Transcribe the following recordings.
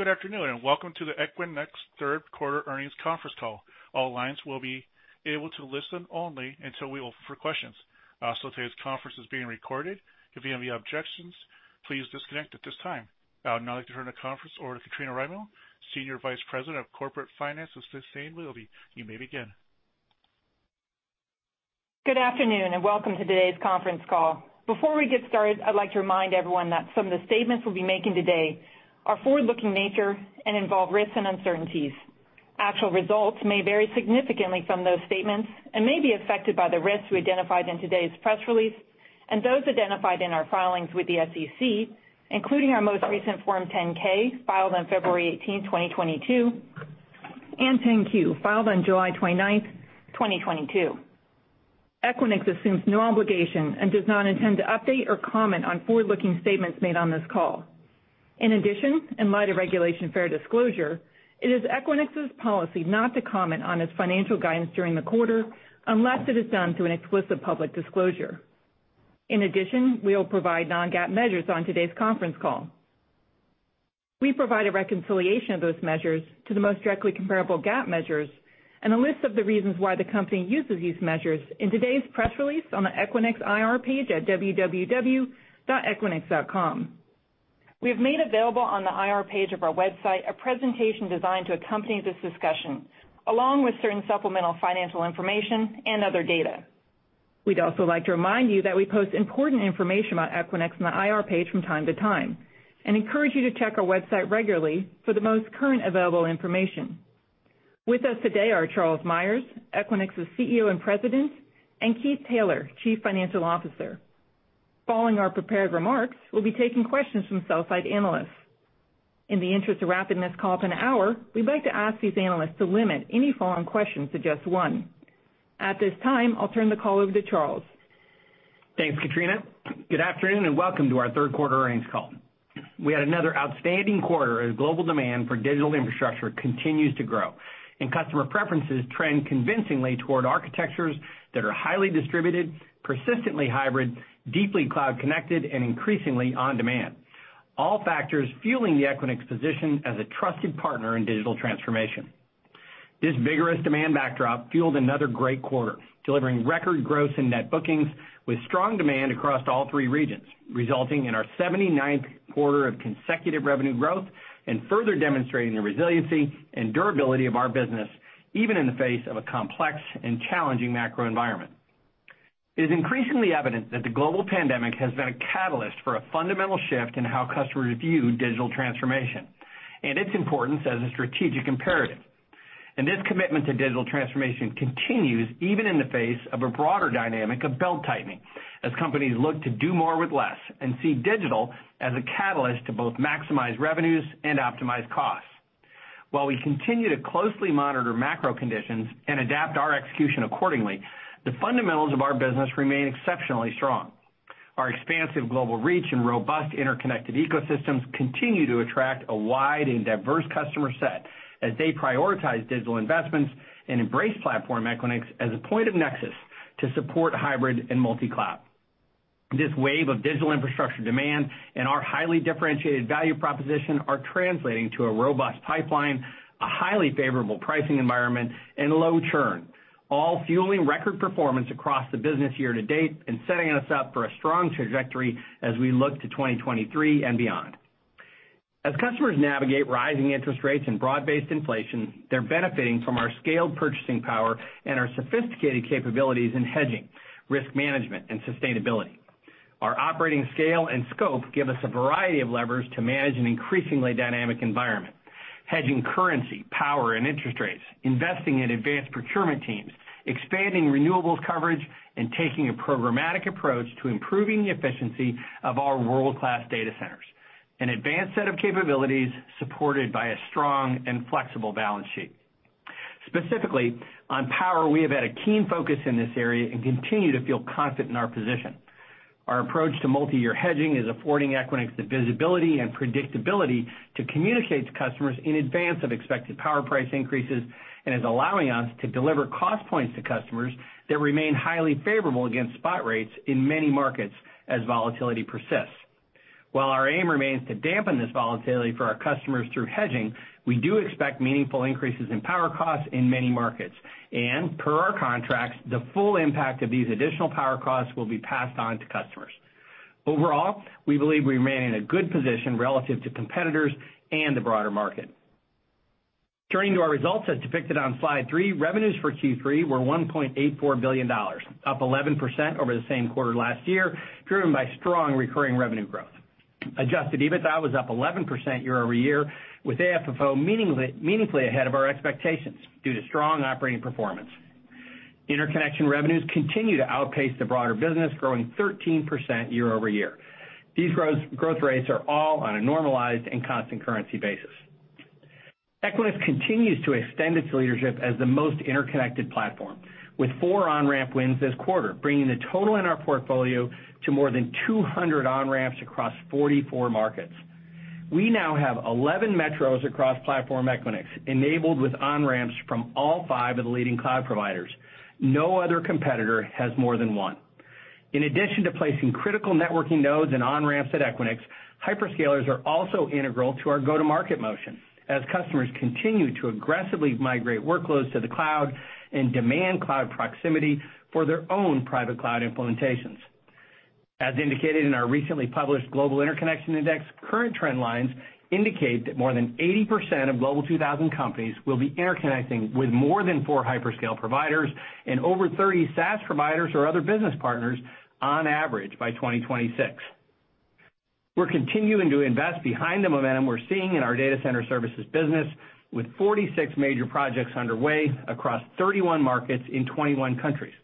Good afternoon, and Welcome to the Equinix Q3 Earnings Conference Call. All lines will be able to listen only until we open for questions. Also, today's conference is being recorded. If you have any objections, please disconnect at this time. I would now like to turn the conference over to Katrina Rymill, Senior Vice President of Corporate Finance. Ms. Rymill, you may begin. Good afternoon, and welcome to today's conference call. Before we get started, I'd like to remind everyone that some of the statements we'll be making today are forward-looking in nature and involve risks and uncertainties. Actual results may vary significantly from those statements and may be affected by the risks we identified in today's press release and those identified in our filings with the SEC, including our most recent Form 10-K filed on February 18th, 2022, and Form 10-Q, filed on July 29th, 2022. Equinix assumes no obligation and does not intend to update or comment on forward-looking statements made on this call. In addition, in light of Regulation FD, it is Equinix's policy not to comment on its financial guidance during the quarter unless it is done through an explicit public disclosure. In addition, we will provide non-GAAP measures on today's conference call. We provide a reconciliation of those measures to the most directly comparable GAAP measures and a list of the reasons why the company uses these measures in today's press release on the Equinix IR page at www.equinix.com. We have made available on the IR page of our website a presentation designed to accompany this discussion, along with certain supplemental financial information and other data. We'd also like to remind you that we post important information about Equinix on the IR page from time to time and encourage you to check our website regularly for the most current available information. With us today are Charles Meyers, Equinix's CEO and President, and Keith Taylor, Chief Financial Officer. Following our prepared remarks, we'll be taking questions from sell-side analysts. In the interest of wrapping this call up in an hour, we'd like to ask these analysts to limit any follow-on questions to just one. At this time, I'll turn the call over to Charles. Thanks, Katrina. Good afternoon, and Welcome to our Q3 Earnings Call. We had another outstanding quarter as global demand for digital infrastructure continues to grow and customer preferences trend convincingly toward architectures that are highly distributed, persistently hybrid, deeply cloud connected, and increasingly on-demand, all factors fueling the Equinix position as a trusted partner in digital transformation. This vigorous demand backdrop fueled another great quarter, delivering record gross and net bookings with strong demand across all three regions, resulting in our seventy-ninth quarter of consecutive revenue growth and further demonstrating the resiliency and durability of our business, even in the face of a complex and challenging macro environment. It is increasingly evident that the global pandemic has been a catalyst for a fundamental shift in how customers view digital transformation and its importance as a strategic imperative. This commitment to digital transformation continues even in the face of a broader dynamic of belt-tightening as companies look to do more with less and see digital as a catalyst to both maximize revenues and optimize costs. While we continue to closely monitor macro conditions and adapt our execution accordingly, the fundamentals of our business remain exceptionally strong. Our expansive global reach and robust interconnected ecosystems continue to attract a wide and diverse customer set as they prioritize digital investments and embrace Platform Equinix as a point of nexus to support hybrid and multi-cloud. This wave of digital infrastructure demand and our highly differentiated value proposition are translating to a robust pipeline, a highly favorable pricing environment, and low churn, all fueling record performance across the business year to date and setting us up for a strong trajectory as we look to 2023 and beyond. As customers navigate rising interest rates and broad-based inflation, they're benefiting from our scaled purchasing power and our sophisticated capabilities in hedging, risk management, and sustainability. Our operating scale and scope give us a variety of levers to manage an increasingly dynamic environment, hedging currency, power, and interest rates, investing in advanced procurement teams, expanding renewables coverage, and taking a programmatic approach to improving the efficiency of our world-class data centers, an advanced set of capabilities supported by a strong and flexible balance sheet. Specifically, on power, we have had a keen focus in this area and continue to feel confident in our position. Our approach to multi-year hedging is affording Equinix the visibility and predictability to communicate to customers in advance of expected power price increases and is allowing us to deliver cost points to customers that remain highly favorable against spot rates in many markets as volatility persists. While our aim remains to dampen this volatility for our customers through hedging, we do expect meaningful increases in power costs in many markets. Per our contracts, the full impact of these additional power costs will be passed on to customers. Overall, we believe we remain in a good position relative to competitors and the broader market. Turning to our results as depicted on slide three, revenues for Q3 were $1.84 billion, up 11% over the same quarter last year, driven by strong recurring revenue growth. Adjusted EBITDA was up 11% year-over-year, with AFFO meaningfully ahead of our expectations due to strong operating performance. Interconnection revenues continue to outpace the broader business, growing 13% year-over-year. These growth rates are all on a normalized and constant currency basis. Equinix continues to extend its leadership as the most interconnected platform, with four on-ramp wins this quarter, bringing the total in our portfolio to more than 200 on-ramps across 44 markets. We now have 11 metros across Platform Equinix enabled with on-ramps from all five of the leading cloud providers. No other competitor has more than one. In addition to placing critical networking nodes and on-ramps at Equinix, hyperscalers are also integral to our go-to-market motion as customers continue to aggressively migrate workloads to the cloud and demand cloud proximity for their own private cloud implementations. As indicated in our recently published Global Interconnection Index, current trend lines indicate that more than 80% of Global 2000 companies will be interconnecting with more than four hyperscale providers and over 30 SaaS providers or other business partners on average by 2026. We're continuing to invest behind the momentum we're seeing in our data center services business with 46 major projects underway across 31 markets in 21 countries.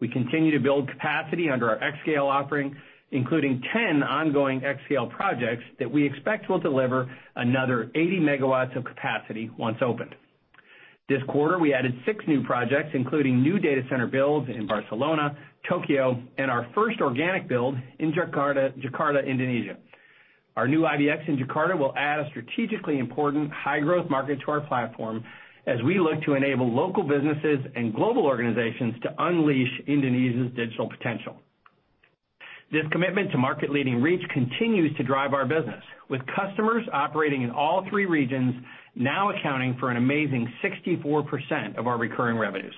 We continue to build capacity under our xScale offering, including 10 ongoing xScale projects that we expect will deliver another 80 MW of capacity once opened. This quarter, we added six new projects, including new data center builds in Barcelona, Tokyo, and our first organic build in Jakarta, Indonesia. Our new IBX in Jakarta will add a strategically important high-growth market to our platform as we look to enable local businesses and global organizations to unleash Indonesia's digital potential. This commitment to market-leading reach continues to drive our business, with customers operating in all three regions now accounting for an amazing 64% of our recurring revenues.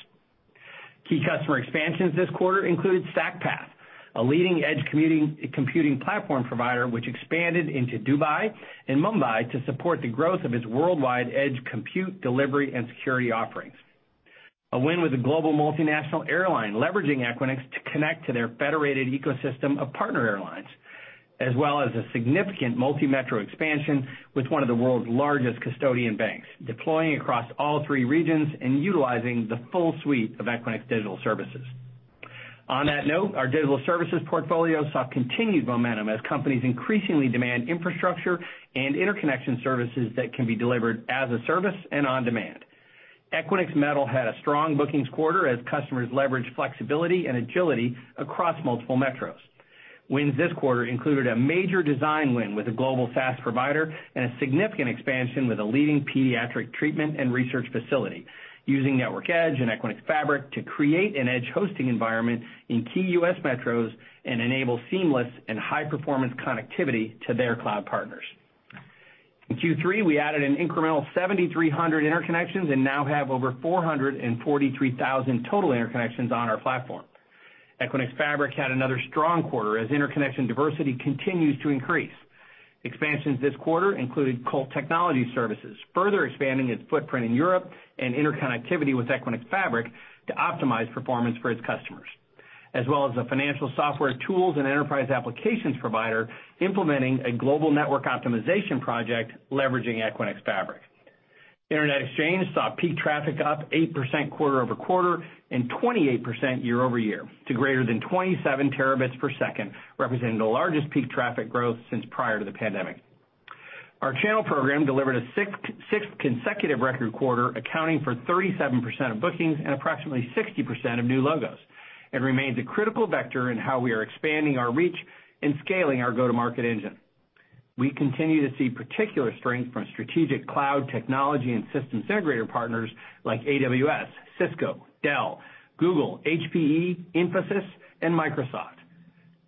Key customer expansions this quarter included StackPath, a leading edge computing platform provider, which expanded into Dubai and Mumbai to support the growth of its worldwide edge compute, delivery, and security offerings. A win with a global multinational airline leveraging Equinix to connect to their federated ecosystem of partner airlines, as well as a significant multi-metro expansion with one of the world's largest custodian banks, deploying across all three regions and utilizing the full suite of Equinix digital services. On that note, our digital services portfolio saw continued momentum as companies increasingly demand infrastructure and interconnection services that can be delivered as a service and on demand. Equinix Metal had a strong bookings quarter as customers leveraged flexibility and agility across multiple metros. Wins this quarter included a major design win with a global SaaS provider and a significant expansion with a leading pediatric treatment and research facility, using Network Edge and Equinix Fabric to create an edge hosting environment in key U.S. metros and enable seamless and high-performance connectivity to their cloud partners. In Q3, we added an incremental 7,300 interconnections and now have over 443,000 total interconnections on our platform. Equinix Fabric had another strong quarter as interconnection diversity continues to increase. Expansions this quarter included Colt Technology Services, further expanding its footprint in Europe and interconnectivity with Equinix Fabric to optimize performance for its customers. As well as the financial software tools and enterprise applications provider implementing a global network optimization project leveraging Equinix Fabric. Internet Exchange saw peak traffic up 8% quarter-over-quarter and 28% year-over-year to greater than 27 Tbps, representing the largest peak traffic growth since prior to the pandemic. Our channel program delivered a sixth consecutive record quarter, accounting for 37% of bookings and approximately 60% of new logos. It remains a critical vector in how we are expanding our reach and scaling our go-to-market engine. We continue to see particular strength from strategic cloud technology and systems integrator partners like AWS, Cisco, Dell, Google, HPE, Infosys, and Microsoft.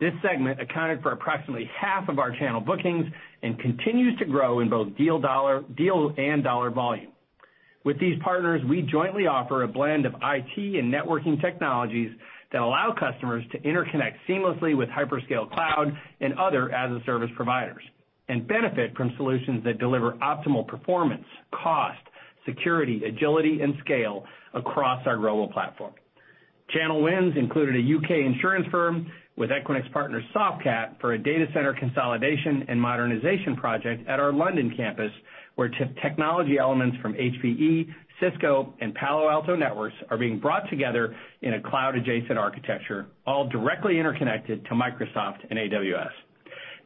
This segment accounted for approximately half of our channel bookings and continues to grow in both deal and dollar volume. With these partners, we jointly offer a blend of IT and networking technologies that allow customers to interconnect seamlessly with hyperscale cloud and other as-a-service providers and benefit from solutions that deliver optimal performance, cost, security, agility, and scale across our global platform. Channel wins included a U.K. insurance firm with Equinix partner Softcat for a data center consolidation and modernization project at our London campus, where technology elements from HPE, Cisco, and Palo Alto Networks are being brought together in a cloud-adjacent architecture, all directly interconnected to Microsoft and AWS.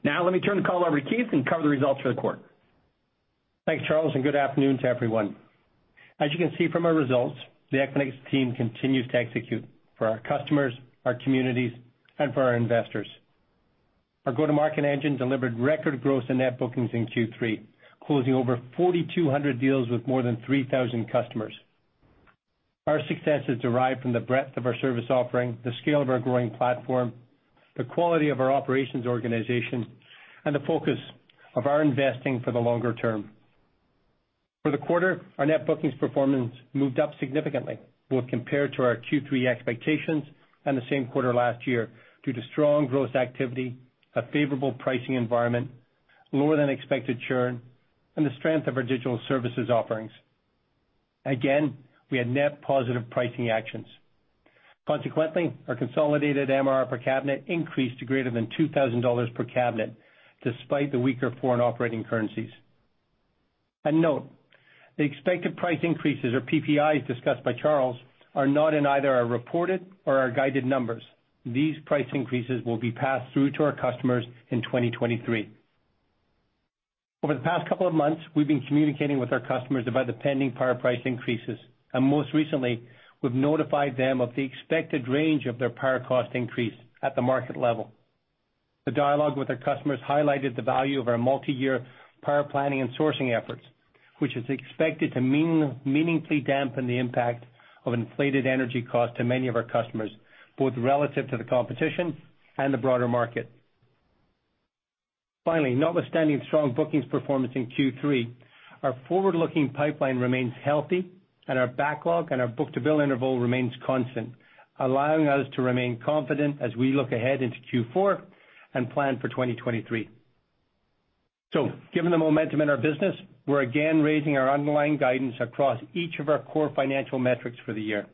Now, let me turn the call over to Keith and cover the results for the quarter. Thanks, Charles, and good afternoon to everyone. As you can see from our results, the Equinix team continues to execute for our customers, our communities, and for our investors. Our go-to-market engine delivered record gross and net bookings in Q3, closing over 4,200 deals with more than 3,000 customers. Our success is derived from the breadth of our service offering, the scale of our growing platform, the quality of our operations organization, and the focus of our investing for the longer term. For the quarter, our net bookings performance moved up significantly, both compared to our Q3 expectations and the same quarter last year, due to strong growth activity, a favorable pricing environment, lower than expected churn, and the strength of our digital services offerings. Again, we had net positive pricing actions. Consequently, our consolidated MRR per cabinet increased to greater than $2,000 per cabinet despite the weaker foreign operating currencies. A note, the expected price increases or PPIs discussed by Charles are not in either our reported or our guided numbers. These price increases will be passed through to our customers in 2023. Over the past couple of months, we've been communicating with our customers about the pending power price increases, and most recently, we've notified them of the expected range of their power cost increase at the market level. The dialogue with our customers highlighted the value of our multi-year power planning and sourcing efforts, which is expected to meaningfully dampen the impact of inflated energy costs to many of our customers, both relative to the competition and the broader market. Finally, notwithstanding strong bookings performance in Q3, our forward-looking pipeline remains healthy and our backlog and our book-to-bill interval remains constant, allowing us to remain confident as we look ahead into Q4 and plan for 2023. Given the momentum in our business, we're again raising our underlying guidance across each of our core financial metrics for the year.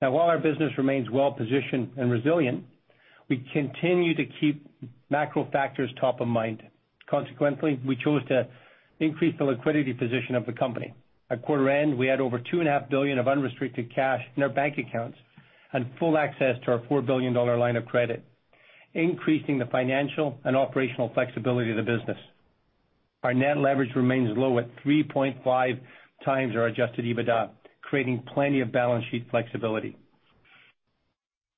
Now while our business remains well-positioned and resilient, we continue to keep macro factors top of mind. Consequently, we chose to increase the liquidity position of the company. At quarter end, we had over $2.5 billion of unrestricted cash in our bank accounts and full access to our $4 billion line of credit, increasing the financial and operational flexibility of the business. Our net leverage remains low at 3.5 times our Adjusted EBITDA, creating plenty of balance sheet flexibility.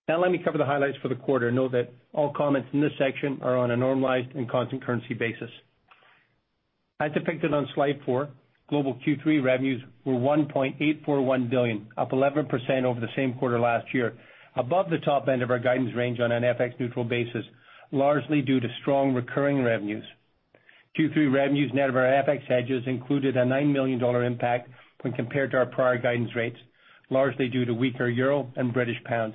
Now let me cover the highlights for the quarter. Know that all comments in this section are on a normalized and constant currency basis. As depicted on slide four, global Q3 revenues were $1.841 billion, up 11% over the same quarter last year, above the top end of our guidance range on an FX neutral basis, largely due to strong recurring revenues. Q3 revenues net of our FX hedges included a $9 million impact when compared to our prior guidance rates, largely due to weaker euro and British pounds.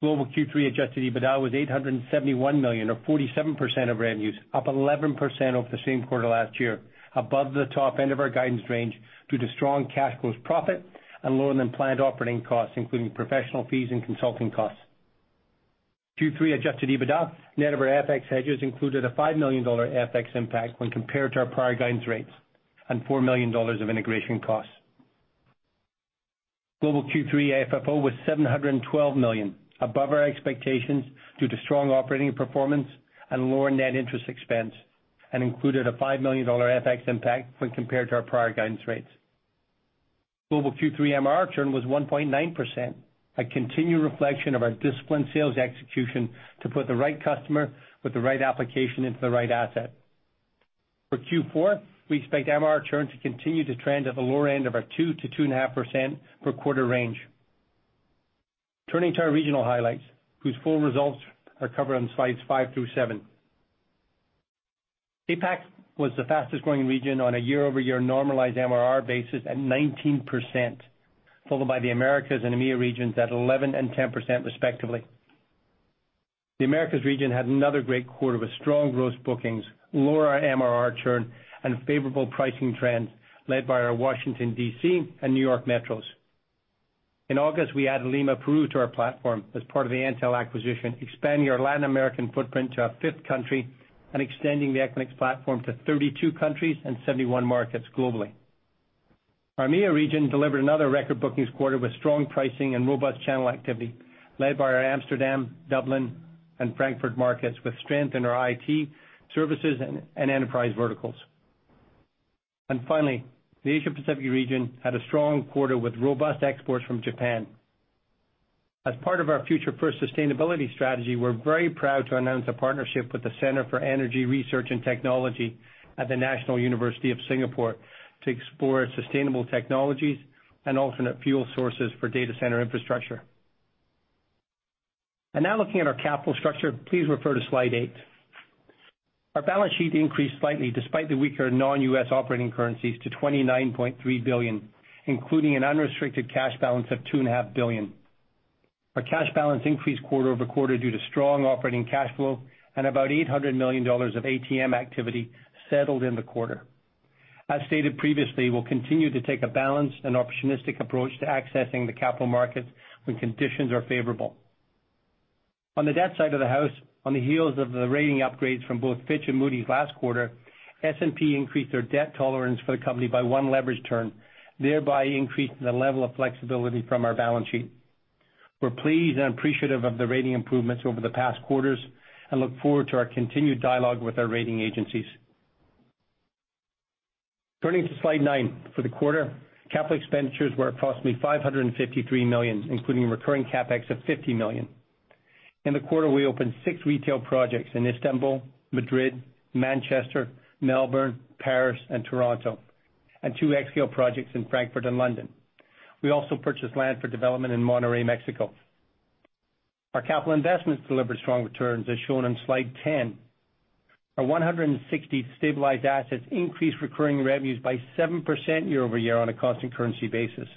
Global Q3 Adjusted EBITDA was $871 million or 47% of revenues, up 11% over the same quarter last year, above the top end of our guidance range due to strong cash flows profit and lower than planned operating costs, including professional fees and consulting costs. Q3 Adjusted EBITDA net of our FX hedges included a $5 million FX impact when compared to our prior guidance rates and $4 million of integration costs. Global Q3 FFO was $712 million, above our expectations due to strong operating performance and lower net interest expense, and included a $5 million FX impact when compared to our prior guidance rates. Global Q3 MRR churn was 1.9%, a continued reflection of our disciplined sales execution to put the right customer with the right application into the right asset. For Q4, we expect MRR churn to continue to trend at the lower end of our 2%-2.5% per quarter range. Turning to our regional highlights, whose full results are covered on slides five through seven. APAC was the fastest-growing region on a year-over-year normalized MRR basis at 19%, followed by the Americas and EMEA regions at 11% and 10% respectively. The Americas region had another great quarter with strong gross bookings, lower MRR churn, and favorable pricing trends led by our Washington, D.C. and New York metros. In August, we added Lima, Peru to our platform as part of the Entel acquisition, expanding our Latin American footprint to our fifth country and extending the Equinix platform to 32 countries and 71 markets globally. Our EMEA region delivered another record bookings quarter with strong pricing and robust channel activity led by our Amsterdam, Dublin, and Frankfurt markets with strength in our IT services and enterprise verticals. Finally, the Asia Pacific region had a strong quarter with robust exports from Japan. As part of our Future First sustainability strategy, we're very proud to announce a partnership with the Center for Energy Research and Technology at the National University of Singapore to explore sustainable technologies and alternate fuel sources for data center infrastructure. Now looking at our capital structure, please refer to slide eight. Our balance sheet increased slightly despite the weaker non-U.S. operating currencies to $29.3 billion, including an unrestricted cash balance of $2.5 billion. Our cash balance increased quarter-over-quarter due to strong operating cash flow and about $800 million of ATM activity settled in the quarter. As stated previously, we'll continue to take a balanced and opportunistic approach to accessing the capital markets when conditions are favorable. On the debt side of the house, on the heels of the rating upgrades from both Fitch and Moody's last quarter, S&P increased their debt tolerance for the company by one leverage turn, thereby increasing the level of flexibility from our balance sheet. We're pleased and appreciative of the rating improvements over the past quarters and look forward to our continued dialogue with our rating agencies. Turning to slide nine. For the quarter, capital expenditures were approximately $553 million, including recurring CapEx of $50 million. In the quarter, we opened six retail projects in Istanbul, Madrid, Manchester, Melbourne, Paris, and Toronto, and two xScale projects in Frankfurt and London. We also purchased land for development in Monterrey, Mexico. Our capital investments delivered strong returns as shown on slide 10. Our 160 stabilized assets increased recurring revenues by 7% year-over-year on a constant currency basis.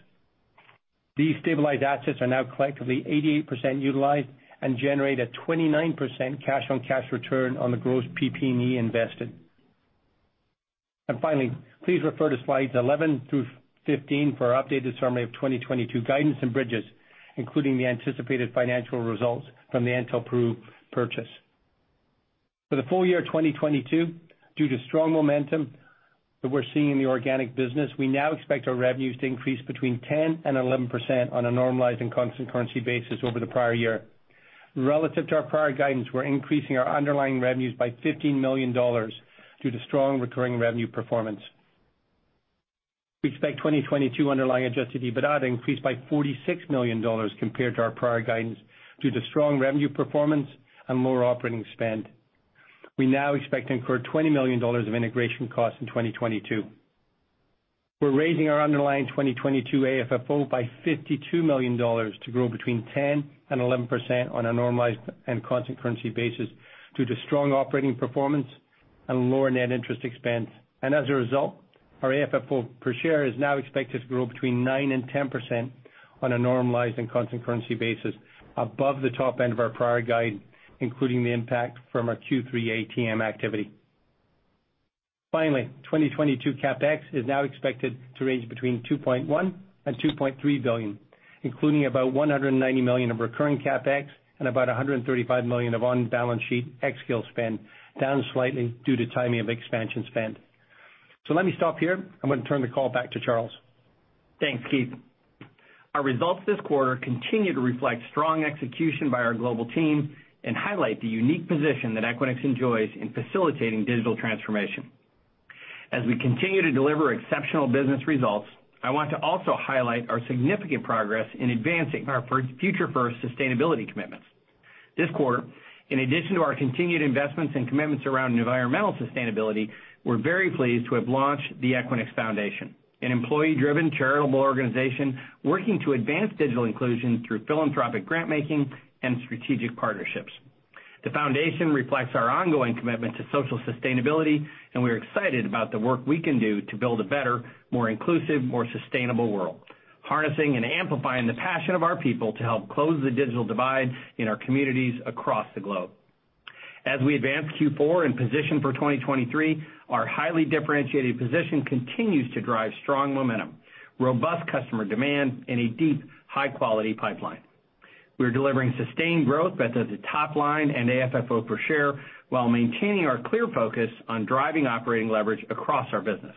These stabilized assets are now collectively 88% utilized and generate a 29% cash-on-cash return on the gross PP&E invested. Finally, please refer to slides 11 through 15 for our updated summary of 2022 guidance and bridges, including the anticipated financial results from the Entel Peru purchase. For the full year 2022, due to strong momentum that we're seeing in the organic business, we now expect our revenues to increase between 10% and 11% on a normalized and constant currency basis over the prior year. Relative to our prior guidance, we're increasing our underlying revenues by $15 million due to strong recurring revenue performance. We expect 2022 underlying Adjusted EBITDA to increase by $46 million compared to our prior guidance due to strong revenue performance and lower operating spend. We now expect to incur $20 million of integration costs in 2022. We're raising our underlying 2022 AFFO by $52 million to grow between 10% and 11% on a normalized and constant currency basis due to strong operating performance and lower net interest expense. As a result, our AFFO per share is now expected to grow between 9% and 10% on a normalized and constant currency basis above the top end of our prior guide, including the impact from our Q3 ATM activity. Finally, 2022 CapEx is now expected to range between $2.1 billion-$2.3 billion, including about $190 million of recurring CapEx and about $135 million of on-balance sheet xScale spend, down slightly due to timing of expansion spend. Let me stop here. I'm gonna turn the call back to Charles. Thanks, Keith. Our results this quarter continue to reflect strong execution by our global team and highlight the unique position that Equinix enjoys in facilitating digital transformation. As we continue to deliver exceptional business results, I want to also highlight our significant progress in advancing our Future First sustainability commitments. This quarter, in addition to our continued investments and commitments around environmental sustainability, we're very pleased to have launched the Equinix Foundation, an employee-driven charitable organization working to advance digital inclusion through philanthropic grant making and strategic partnerships. The foundation reflects our ongoing commitment to social sustainability, and we're excited about the work we can do to build a better, more inclusive, more sustainable world, harnessing and amplifying the passion of our people to help close the digital divide in our communities across the globe. As we advance Q4 and position for 2023, our highly differentiated position continues to drive strong momentum, robust customer demand, and a deep, high-quality pipeline. We are delivering sustained growth both at the top line and AFFO per share while maintaining our clear focus on driving operating leverage across our business.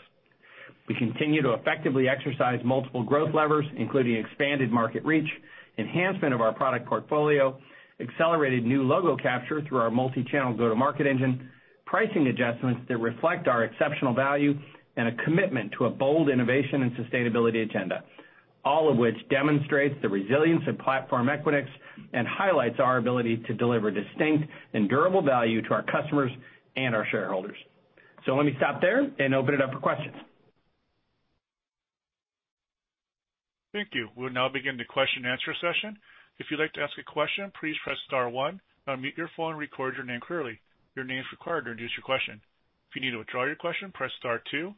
We continue to effectively exercise multiple growth levers, including expanded market reach, enhancement of our product portfolio, accelerated new logo capture through our multi-channel go-to-market engine, pricing adjustments that reflect our exceptional value, and a commitment to a bold innovation and sustainability agenda, all of which demonstrates the resilience of Platform Equinix and highlights our ability to deliver distinct and durable value to our customers and our shareholders. Let me stop there and open it up for questions. Thank you. We'll now begin the question and answer session. If you'd like to ask a question, please press star one, unmute your phone, and record your name clearly. Your name is required to introduce your question. If you need to withdraw your question, press star two.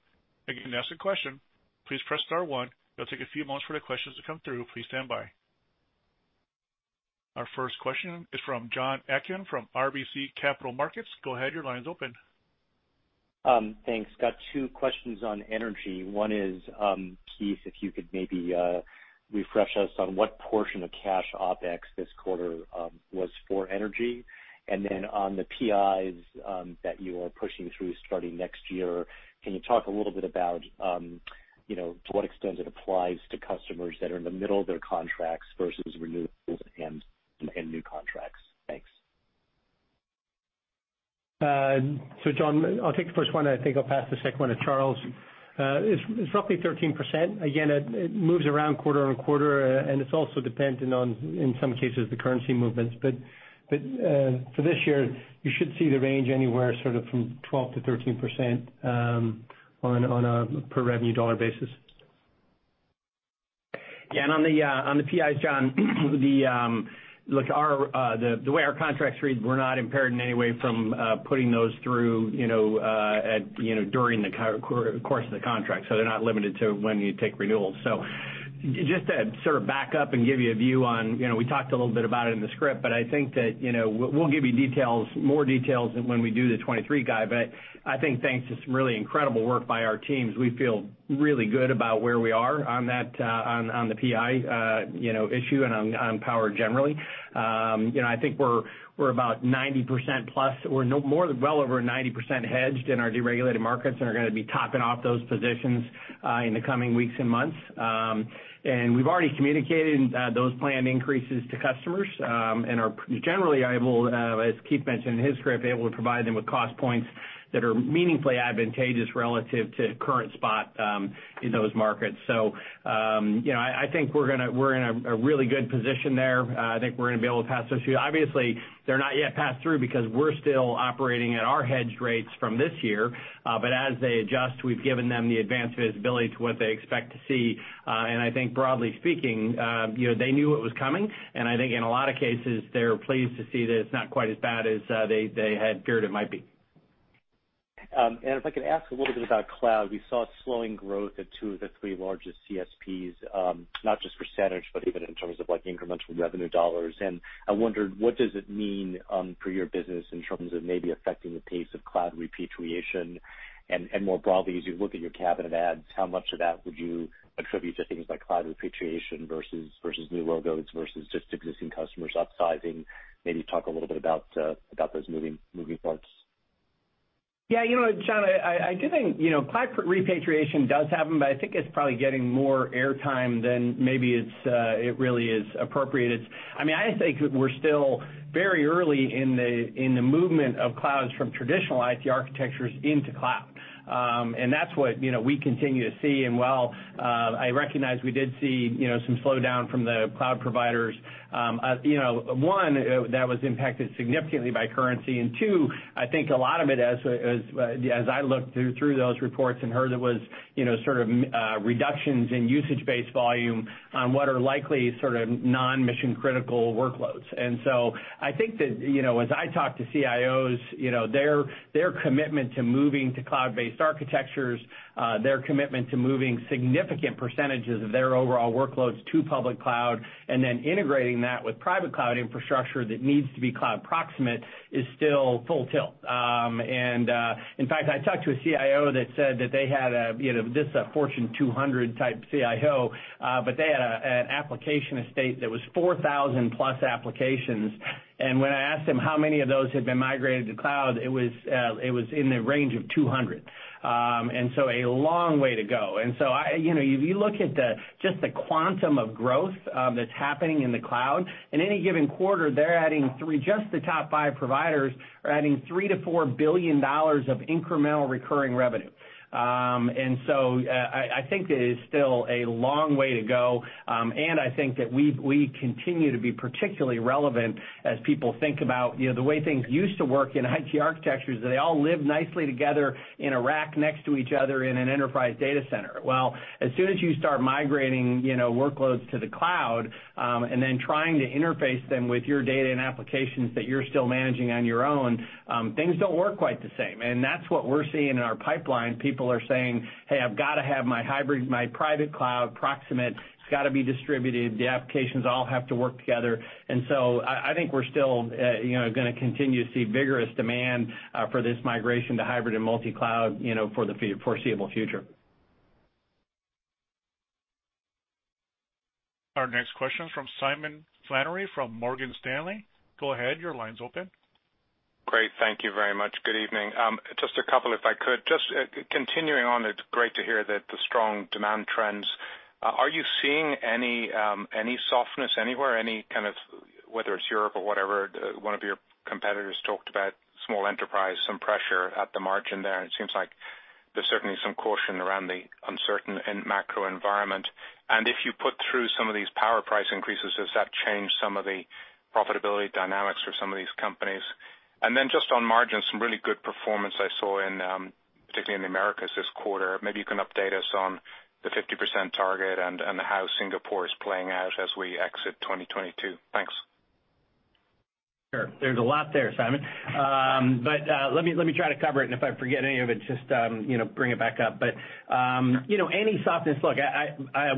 Again, to ask a question, please press star one. It'll take a few moments for the questions to come through. Please stand by. Our first question is from Jon Atkin from RBC Capital Markets. Go ahead, your line's open. Thanks. Got two questions on energy. One is, Keith, if you could maybe refresh us on what portion of cash OpEx this quarter was for energy. Then on the PIs that you are pushing through starting next year, can you talk a little bit about, you know, to what extent it applies to customers that are in the middle of their contracts versus renewals and new contracts? Thanks. Jon, I'll take the first one, and I think I'll pass the second one to Charles. It's roughly 13%. Again, it moves around quarter-over-quarter, and it's also dependent on, in some cases, the currency movements. For this year, you should see the range anywhere sort of from 12%-13%, on a per revenue dollar basis. Yeah. On the PIs, Jon, look, the way our contracts read, we're not impaired in any way from putting those through, you know, at, you know, during the course of the contract, so they're not limited to when you take renewals. Just to sort of back up and give you a view on, you know, we talked a little bit about it in the script, but I think that, you know, we'll give you more details when we do the 2023 guide. I think thanks to some really incredible work by our teams, we feel really good about where we are on that, on the PI issue and on power generally. You know, I think we're about well over 90% hedged in our deregulated markets and are gonna be topping off those positions in the coming weeks and months. We've already communicated those planned increases to customers and are generally able, as Keith mentioned in his script, to provide them with cost points that are meaningfully advantageous relative to current spot in those markets. You know, I think we're in a really good position there. I think we're gonna be able to pass those through. Obviously, they're not yet passed through because we're still operating at our hedged rates from this year. As they adjust, we've given them the advanced visibility to what they expect to see. I think broadly speaking, you know, they knew it was coming, and I think in a lot of cases, they're pleased to see that it's not quite as bad as they had feared it might be. If I could ask a little bit about cloud. We saw slowing growth at two of the three largest CSPs, not just percentage, but even in terms of, like, incremental revenue dollars. I wondered, what does it mean, for your business in terms of maybe affecting the pace of cloud repatriation? More broadly, as you look at your cabinet adds, how much of that would you attribute to things like cloud repatriation versus new logos versus just existing customers upsizing? Maybe talk a little bit about those moving parts. Yeah. You know what, Jon, I do think, you know, cloud repatriation does happen, but I think it's probably getting more airtime than maybe it really is appropriate. I mean, I think we're still very early in the movement of clouds from traditional IT architectures into cloud. That's what, you know, we continue to see. While I recognize we did see, you know, some slowdown from the cloud providers, you know, one, that was impacted significantly by currency, and two, I think a lot of it as I looked through those reports and heard it was, you know, sort of reductions in usage-based volume on what are likely sort of non-mission critical workloads. I think that, you know, as I talk to CIOs, you know, their commitment to moving to cloud-based architectures, their commitment to moving significant percentages of their overall workloads to public cloud and then integrating that with private cloud infrastructure that needs to be cloud proximate is still full tilt. In fact, I talked to a CIO that said that they had a, you know, just a Fortune 200 type CIO, but they had an application estate that was 4,000+ applications. When I asked him how many of those had been migrated to cloud, it was in the range of 200. A long way to go. You know, if you look at just the quantum of growth that's happening in the cloud, in any given quarter, just the top five providers are adding $3 billion-$4 billion of incremental recurring revenue. I think there is still a long way to go. I think that we continue to be particularly relevant as people think about, you know, the way things used to work in IT architectures, they all live nicely together in a rack next to each other in an enterprise data center. Well, as soon as you start migrating, you know, workloads to the cloud, and then trying to interface them with your data and applications that you're still managing on your own, things don't work quite the same. That's what we're seeing in our pipeline. People are saying, "Hey, I've got to have my hybrid, my private cloud proximate. It's got to be distributed. The applications all have to work together." I think we're still, you know, gonna continue to see vigorous demand for this migration to hybrid and multi-cloud, you know, for the foreseeable future. Our next question is from Simon Flannery from Morgan Stanley. Go ahead. Your line's open. Great. Thank you very much. Good evening. Just a couple if I could. Just continuing on, it's great to hear that the strong demand trends. Are you seeing any softness anywhere, any kind of whether it's Europe or whatever? One of your competitors talked about small enterprise, some pressure at the margin there. It seems like there's certainly some caution around the uncertain macro environment. If you put through some of these power price increases, has that changed some of the profitability dynamics for some of these companies? Just on margins, some really good performance I saw in particularly in the Americas this quarter. Maybe you can update us on the 50% target and how Singapore is playing out as we exit 2022. Thanks. Sure. There's a lot there, Simon. Let me try to cover it, and if I forget any of it, just you know, bring it back up. You know, any softness. Look,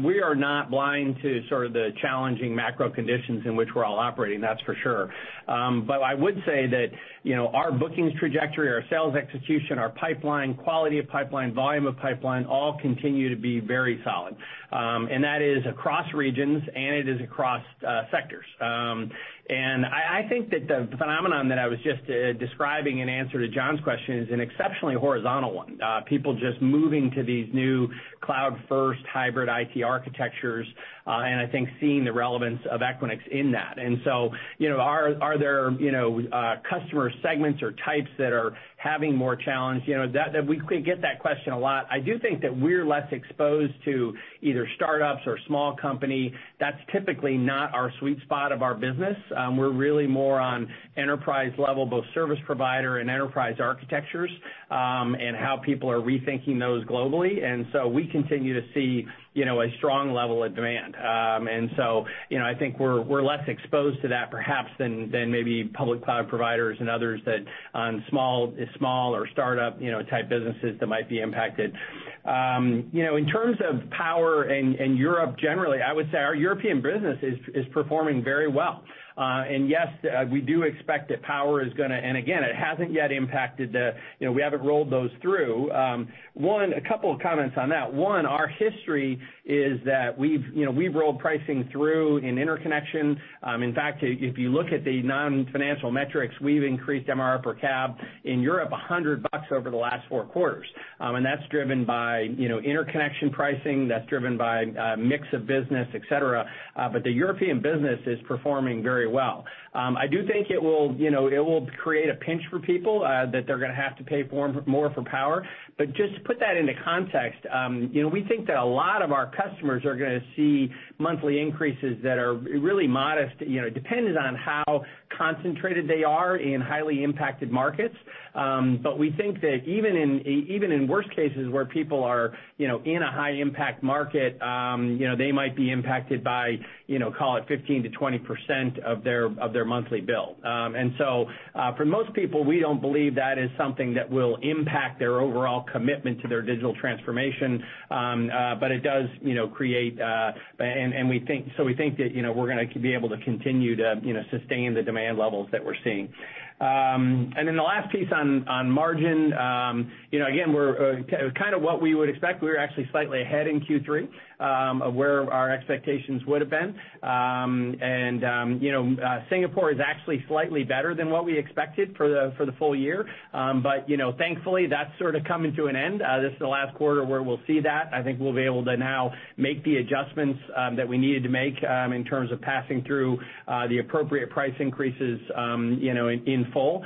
we are not blind to sort of the challenging macro conditions in which we're all operating, that's for sure. I would say that you know, our bookings trajectory, our sales execution, our pipeline, quality of pipeline, volume of pipeline all continue to be very solid. That is across regions and it is across sectors. I think that the phenomenon that I was just describing in answer to Jon's question is an exceptionally horizontal one. People just moving to these new cloud-first hybrid IT architectures, and I think seeing the relevance of Equinix in that. You know, are there customer segments or types that are having more challenge? You know, we get that question a lot. I do think that we're less exposed to either startups or small company. That's typically not our sweet spot of our business. We're really more on enterprise level, both service provider and enterprise architectures, and how people are rethinking those globally. We continue to see, you know, a strong level of demand. You know, I think we're less exposed to that perhaps than maybe public cloud providers and others that rely on small or startup type businesses that might be impacted. In terms of power and Europe generally, I would say our European business is performing very well. Yes, we do expect that power is gonna. Again, it hasn't yet impacted the, you know, we haven't rolled those through. A couple of comments on that. One, our history is that we've, you know, we've rolled pricing through in interconnection. In fact, if you look at the non-financial metrics, we've increased MRR per cab in Europe $100 over the last four quarters. And that's driven by, you know, interconnection pricing, that's driven by a mix of business, et cetera, but the European business is performing very well. I do think it will, you know, it will create a pinch for people, that they're gonna have to pay more for power. Just to put that into context, you know, we think that a lot of our customers are gonna see monthly increases that are really modest, you know, dependent on how concentrated they are in highly impacted markets. We think that even in worst cases where people are, you know, in a high impact market, you know, they might be impacted by, you know, call it 15%-20% of their monthly bill. For most people, we don't believe that is something that will impact their overall commitment to their digital transformation. It does, you know, create. We think that, you know, we're gonna be able to continue to, you know, sustain the demand levels that we're seeing. The last piece on margin, you know, again, we're kind of what we would expect. We were actually slightly ahead in Q3 of where our expectations would have been. You know, Singapore is actually slightly better than what we expected for the full year. You know, thankfully, that's sort of coming to an end. This is the last quarter where we'll see that. I think we'll be able to now make the adjustments that we needed to make in terms of passing through the appropriate price increases, you know, in full,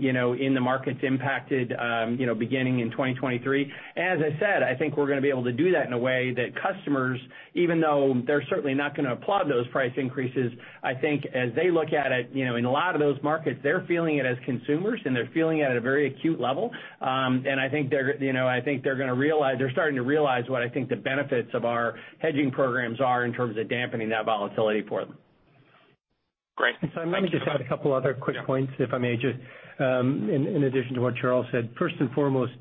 you know, in the markets impacted, you know, beginning in 2023. As I said, I think we're gonna be able to do that in a way that customers, even though they're certainly not gonna applaud those price increases, I think as they look at it, you know, in a lot of those markets, they're feeling it as consumers, and they're feeling it at a very acute level. I think they're, you know, I think they're gonna realize, they're starting to realize what I think the benefits of our hedging programs are in terms of dampening that volatility for them. Great. Thank you. Let me just add a couple other quick points, if I may, just in addition to what Charles said. First and foremost,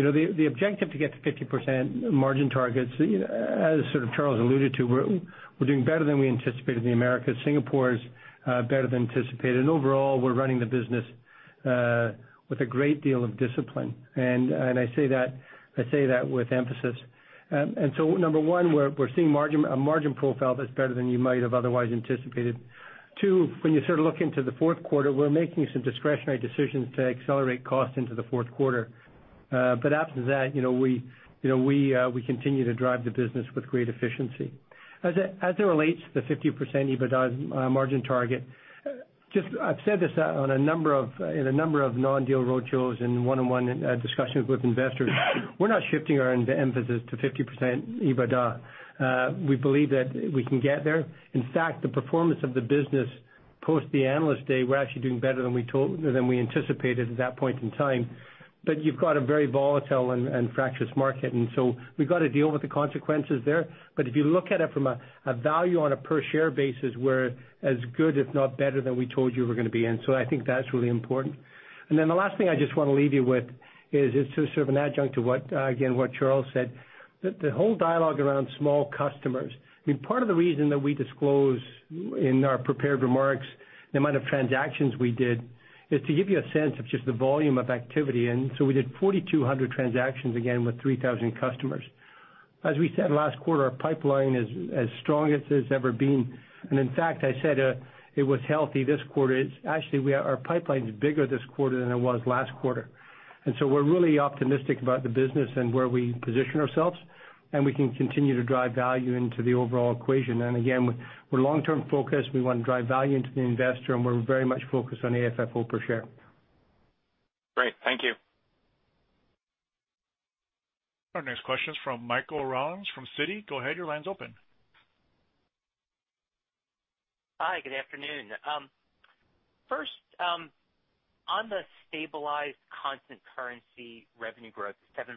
you know, the objective to get to 50% margin targets, you know, as sort of Charles alluded to, we're doing better than we anticipated in the Americas. Singapore is better than anticipated. Overall, we're running the business with a great deal of discipline. I say that with emphasis. Number one, we're seeing a margin profile that's better than you might have otherwise anticipated. Two, when you sort of look into the Q4, we're making some discretionary decisions to accelerate costs into the Q4. After that, you know, we continue to drive the business with great efficiency. As it relates to the 50% EBITDA margin target, I've said this on a number of non-deal roadshows and one-on-one discussions with investors. We're not shifting our emphasis to 50% EBITDA. We believe that we can get there. In fact, the performance of the business post the Analyst Day, we're actually doing better than we anticipated at that point in time. You've got a very volatile and fractious market, and so we've got to deal with the consequences there. If you look at it from a value on a per share basis, we're as good, if not better than we told you we're gonna be in. I think that's really important. Then the last thing I just want to leave you with is just to serve an adjunct to what, again, what Charles said, the whole dialogue around small customers. I mean, part of the reason that we disclose in our prepared remarks the amount of transactions we did is to give you a sense of just the volume of activity. We did 4,200 transactions, again, with 3,000 customers. As we said last quarter, our pipeline is as strong as it's ever been. In fact, I said it was healthy this quarter. Actually, our pipeline's bigger this quarter than it was last quarter. We're really optimistic about the business and where we position ourselves, and we can continue to drive value into the overall equation. Again, we're long-term focused. We want to drive value to the investor, and we're very much focused on AFFO per share. Great. Thank you. Our next question is from Michael Rollins from Citi. Go ahead, your line's open. Hi, good afternoon. First, on the stabilized constant currency revenue growth, 7%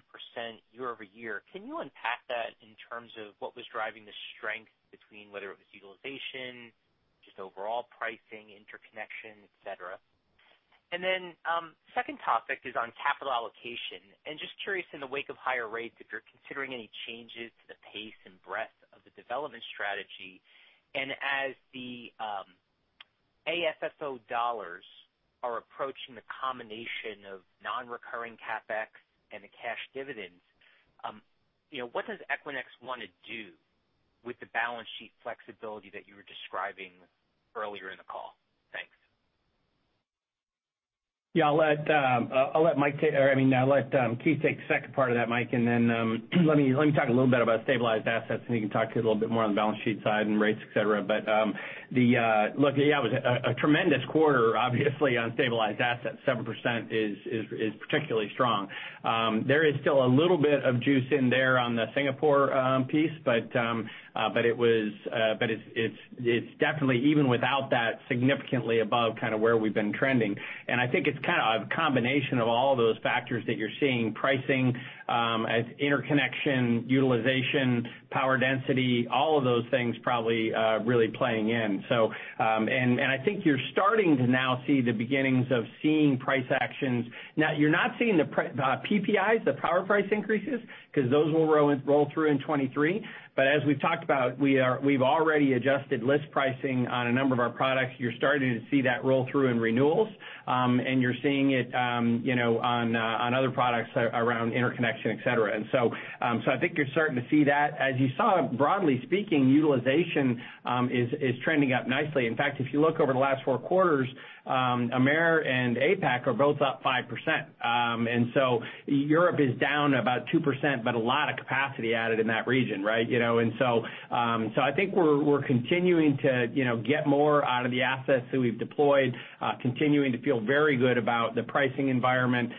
year-over-year, can you unpack that in terms of what was driving the strength between whether it was utilization, just overall pricing, interconnection, etc.? Second topic is on capital allocation. Just curious in the wake of higher rates, if you're considering any changes to the pace and breadth of the development strategy. As the AFFO dollars are approaching the combination of non-recurring CapEx and the cash dividends, you know, what does Equinix want to do with the balance sheet flexibility that you were describing earlier in the call? Thanks. Yeah, I'll let Keith take the second part of that, Michael, and then let me talk a little bit about stabilized assets, and he can talk to you a little bit more on the balance sheet side and rates, et cetera. Look, yeah, it was a tremendous quarter, obviously, on stabilized assets. 7% is particularly strong. There is still a little bit of juice in there on the Singapore piece, but it's definitely, even without that, significantly above kind of where we've been trending. I think it's kind of a combination of all those factors that you're seeing, pricing, as interconnection, utilization, power density, all of those things probably really playing in. I think you're starting to now see the beginnings of seeing price actions. Now, you're not seeing the PPIs, the power price increases, because those will roll through in 2023. As we've talked about, we've already adjusted list pricing on a number of our products. You're starting to see that roll through in renewals, and you're seeing it, you know, on other products around interconnection, etc. I think you're starting to see that. As you saw, broadly speaking, utilization is trending up nicely. In fact, if you look over the last four quarters, AMER and APAC are both up 5%. Europe is down about 2%, but a lot of capacity added in that region, right? I think we're continuing to, you know, get more out of the assets that we've deployed, continuing to feel very good about the pricing environment,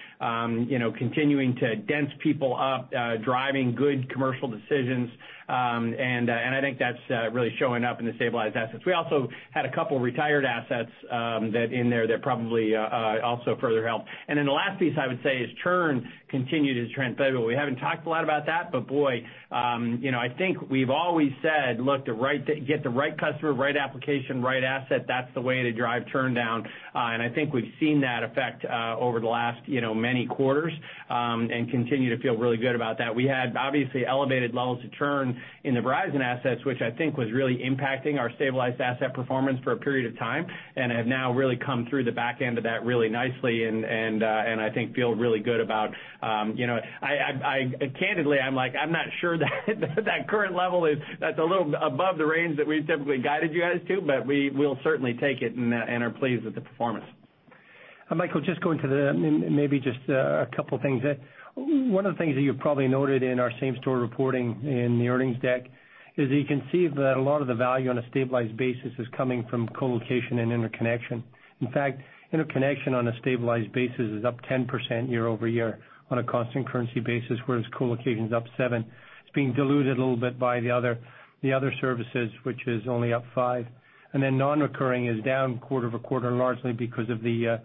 you know, continuing to dense people up, driving good commercial decisions. I think that's really showing up in the stabilized assets. We also had a couple retired assets that in there that probably also further helped. The last piece I would say is churn continued to be transferable. We haven't talked a lot about that, but boy, you know, I think we've always said, look, get the right customer, right application, right asset, that's the way to drive churn down. I think we've seen that effect over the last, you know, many quarters, and continue to feel really good about that. We had, obviously, elevated levels of churn in the Verizon assets, which I think was really impacting our stabilized asset performance for a period of time, and have now really come through the back end of that really nicely and I think feel really good about, you know. I candidly, I'm like, I'm not sure that current level is, that's a little above the range that we've typically guided you guys to, but we will certainly take it and are pleased with the performance. Michael, just going to the, maybe just a couple things. One of the things that you probably noted in our same-store reporting in the earnings deck is that you can see that a lot of the value on a stabilized basis is coming from colocation and interconnection. In fact, interconnection on a stabilized basis is up 10% year-over-year on a constant currency basis, whereas colocation is up 7%. It's being diluted a little bit by the other services, which is only up 5%. Then non-recurring is down quarter-over-quarter, largely because of the,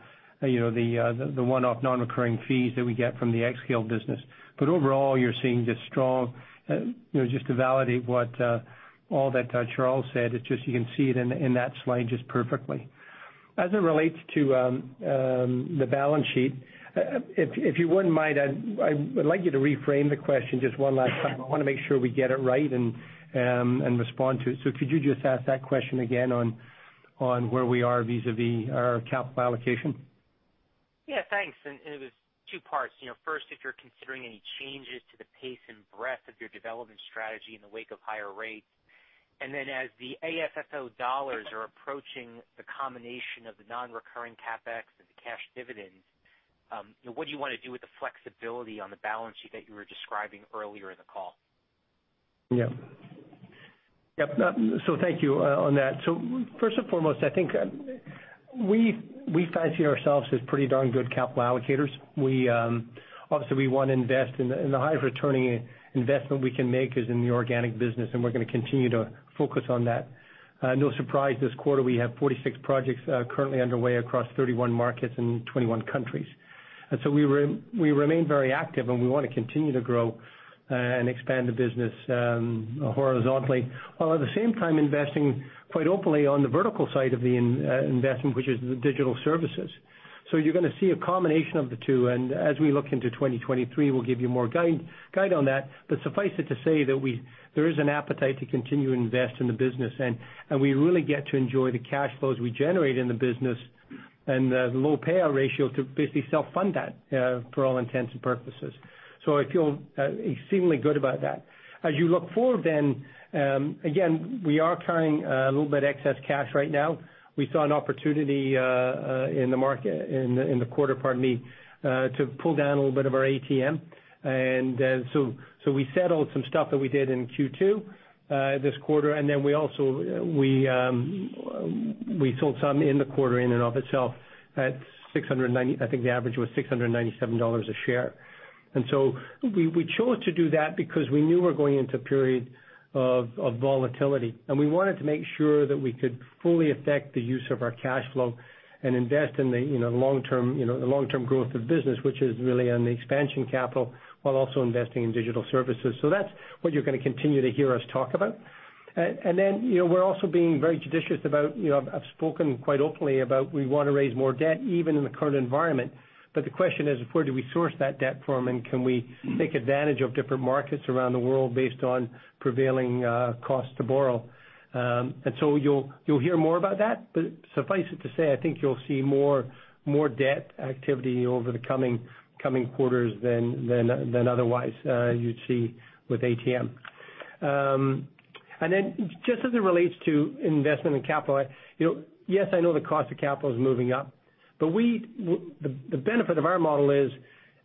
you know, the one-off non-recurring fees that we get from the xScale business. Overall, you're seeing just strong, you know, just to validate what all that Charles said, it's just you can see it in that slide just perfectly. As it relates to the balance sheet, if you wouldn't mind, I would like you to reframe the question just one last time. I wanna make sure we get it right and respond to it. Could you just ask that question again on where we are vis-a-vis our capital allocation? Yeah, thanks. It was two parts. You know, first, if you're considering any changes to the pace and breadth of your development strategy in the wake of higher rates. As the AFFO dollars are approaching the combination of the non-recurring CapEx and the cash dividends, what do you wanna do with the flexibility on the balance sheet that you were describing earlier in the call? Yeah. Yep. Thank you on that. First and foremost, I think we fancy ourselves as pretty darn good capital allocators. We obviously want to invest, and the highest returning investment we can make is in the organic business, and we're gonna continue to focus on that. No surprise this quarter, we have 46 projects currently underway across 31 markets in 21 countries. We remain very active, and we wanna continue to grow and expand the business horizontally. While at the same time, investing quite openly on the vertical side of the investment, which is the digital services. You're gonna see a combination of the two, and as we look into 2023, we'll give you more guidance on that. Suffice it to say that there is an appetite to continue to invest in the business. We really get to enjoy the cash flows we generate in the business and the low payout ratio to basically self-fund that, for all intents and purposes. I feel exceedingly good about that. As you look forward, again, we are carrying a little bit excess cash right now. We saw an opportunity in the market, in the quarter, pardon me, to pull down a little bit of our ATM. We settled some stuff that we did in Q2 this quarter. We also sold some in the quarter in and of itself at $690, I think the average was $697 a share. We chose to do that because we knew we're going into a period of volatility, and we wanted to make sure that we could fully affect the use of our cash flow and invest in the, you know, long-term, you know, the long-term growth of business, which is really on the expansion capital while also investing in digital services. That's what you're gonna continue to hear us talk about. You know, we're also being very judicious about, you know, I've spoken quite openly about we wanna raise more debt even in the current environment. The question is, where do we source that debt from, and can we take advantage of different markets around the world based on prevailing costs to borrow? You'll hear more about that, but suffice it to say, I think you'll see more debt activity over the coming quarters than otherwise you'd see with ATM. Just as it relates to investment in capital, you know, yes, I know the cost of capital is moving up, but the benefit of our model is,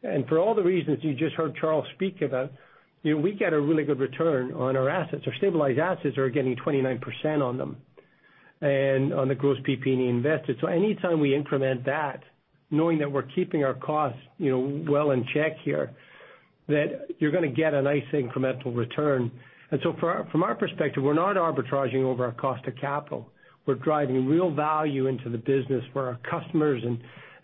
and for all the reasons you just heard Charles speak about, you know, we get a really good return on our assets. Our stabilized assets are getting 29% on them and on the gross PP&E invested. Anytime we implement that, knowing that we're keeping our costs, you know, well in check here, that you're gonna get a nice incremental return. From our perspective, we're not arbitraging over our cost of capital. We're driving real value into the business for our customers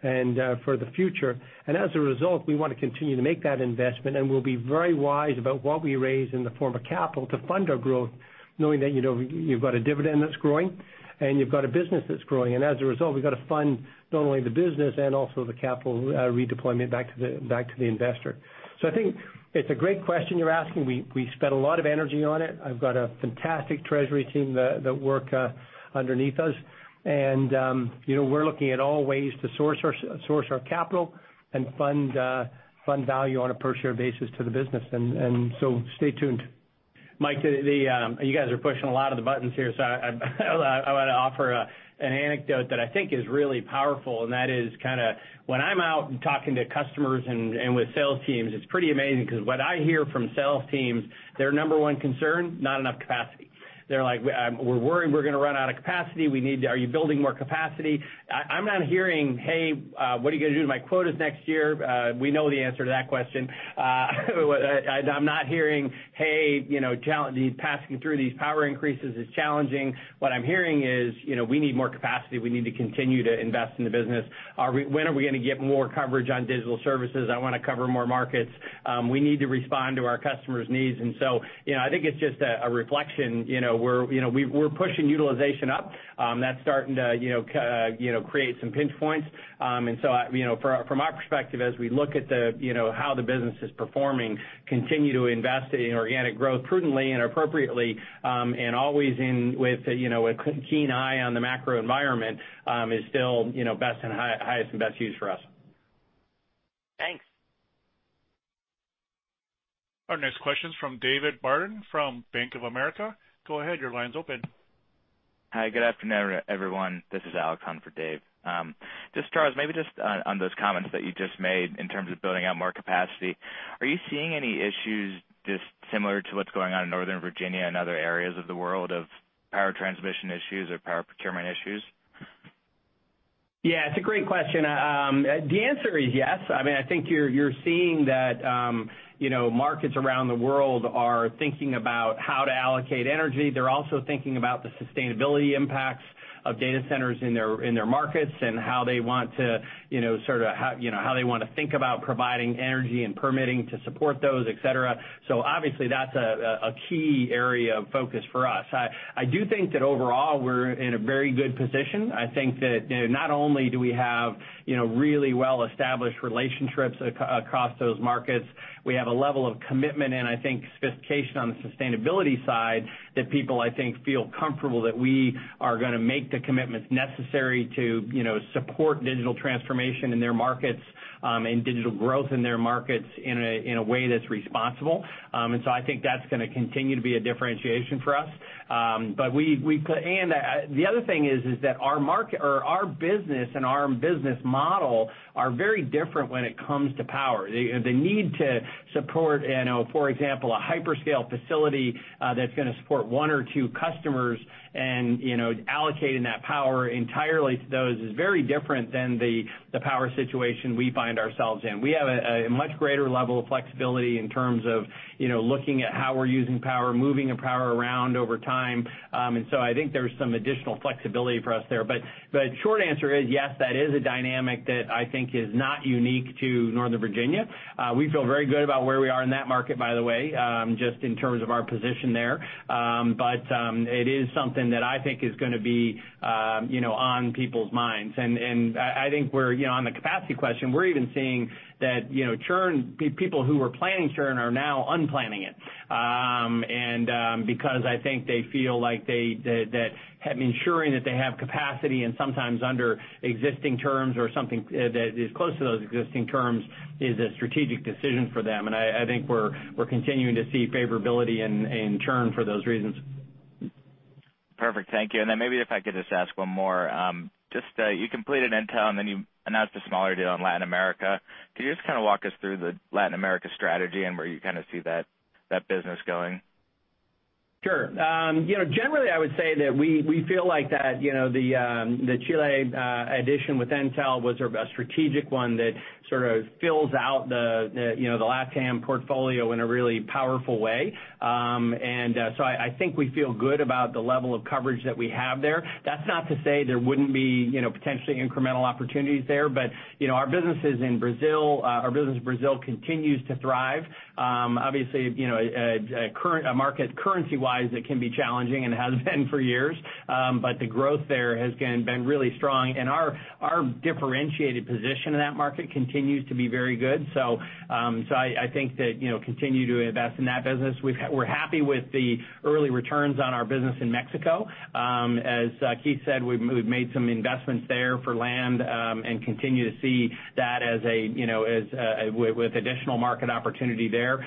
and for the future. As a result, we want to continue to make that investment, and we'll be very wise about what we raise in the form of capital to fund our growth, knowing that, you know, you've got a dividend that's growing and you've got a business that's growing. As a result, we've got to fund not only the business and also the capital redeployment back to the investor. I think it's a great question you're asking. We spent a lot of energy on it. I've got a fantastic treasury team that work underneath us. You know, we're looking at all ways to source our capital and fund value on a per share basis to the business. Stay tuned. Michael, you guys are pushing a lot of the buttons here, so I wanna offer an anecdote that I think is really powerful, and that is kind of when I'm out talking to customers and with sales teams. It's pretty amazing 'cause what I hear from sales teams, their number one concern, not enough capacity. They're like, "We're worried we're gonna run out of capacity. We need. Are you building more capacity?" I'm not hearing, "Hey, what are you gonna do to my quotas next year?" We know the answer to that question. I'm not hearing, "Hey, you know, passing through these power increases is challenging." What I'm hearing is, you know, we need more capacity, we need to continue to invest in the business. When are we gonna get more coverage on digital services? I wanna cover more markets. We need to respond to our customers needs himself. I think it's just a reflection, you know, we're pushing utilization up. That's starting to create some pinch points. From our perspective as we look at how the business is performing, continue to invest in organic growth prudently and appropriately, and always with a keen eye on the macro environment, is still highest and best use for us. Our next question's from David Barden from Bank of America. Go ahead, your line's open. Hi, good afternoon, everyone. This is Alex on for David. Just Charles, maybe just on those comments that you just made in terms of building out more capacity, are you seeing any issues just similar to what's going on in Northern Virginia and other areas of the world of power transmission issues or power procurement issues? Yeah, it's a great question. The answer is yes. I mean, I think you're seeing that, you know, markets around the world are thinking about how to allocate energy. They're also thinking about the sustainability impacts of data centers in their markets and how they want to, you know, think about providing energy and permitting to support those, et cetera. So obviously that's a key area of focus for us. I do think that overall we're in a very good position. I think that, you know, not only do we have, you know, really well-established relationships across those markets, we have a level of commitment and I think sophistication on the sustainability side that people, I think, feel comfortable that we are gonna make the commitments necessary to, you know, support digital transformation in their markets, and digital growth in their markets in a, in a way that's responsible. I think that's gonna continue to be a differentiation for us. The other thing is that our market or our business and our business model are very different when it comes to power. The need to support, you know, for example, a hyperscale facility that's gonna support one or two customers and, you know, allocating that power entirely to those is very different than the power situation we find ourselves in. We have a much greater level of flexibility in terms of, you know, looking at how we're using power, moving the power around over time. I think there's some additional flexibility for us there. Short answer is yes, that is a dynamic that I think is not unique to Northern Virginia. We feel very good about where we are in that market, by the way, just in terms of our position there. It is something that I think is gonna be, you know, on people's minds. I think we're, you know, on the capacity question, we're even seeing that, you know, churn, people who were planning churn are now unplanning it. Because I think they feel like that ensuring that they have capacity and sometimes under existing terms or something, that is close to those existing terms is a strategic decision for them. I think we're continuing to see favorability in churn for those reasons. Perfect. Thank you. Then maybe if I could just ask one more. Just, you completed Entel and then you announced a smaller deal in Latin America. Can you just kinda walk us through the Latin America strategy and where you kinda see that business going? Sure. You know, generally I would say that we feel like that, you know, the Chile addition with Entel was a strategic one that sort of fills out the LatAm portfolio in a really powerful way. So I think we feel good about the level of coverage that we have there. That's not to say there wouldn't be, you know, potentially incremental opportunities there. You know, our business in Brazil continues to thrive. Obviously, current market currency-wise, it can be challenging and has been for years. The growth there has been really strong. Our differentiated position in that market continues to be very good. So I think that, you know, continue to invest in that business. We're happy with the early returns on our business in Mexico. As Keith said, we've made some investments there for land, and continue to see that as a, you know, as with additional market opportunity there.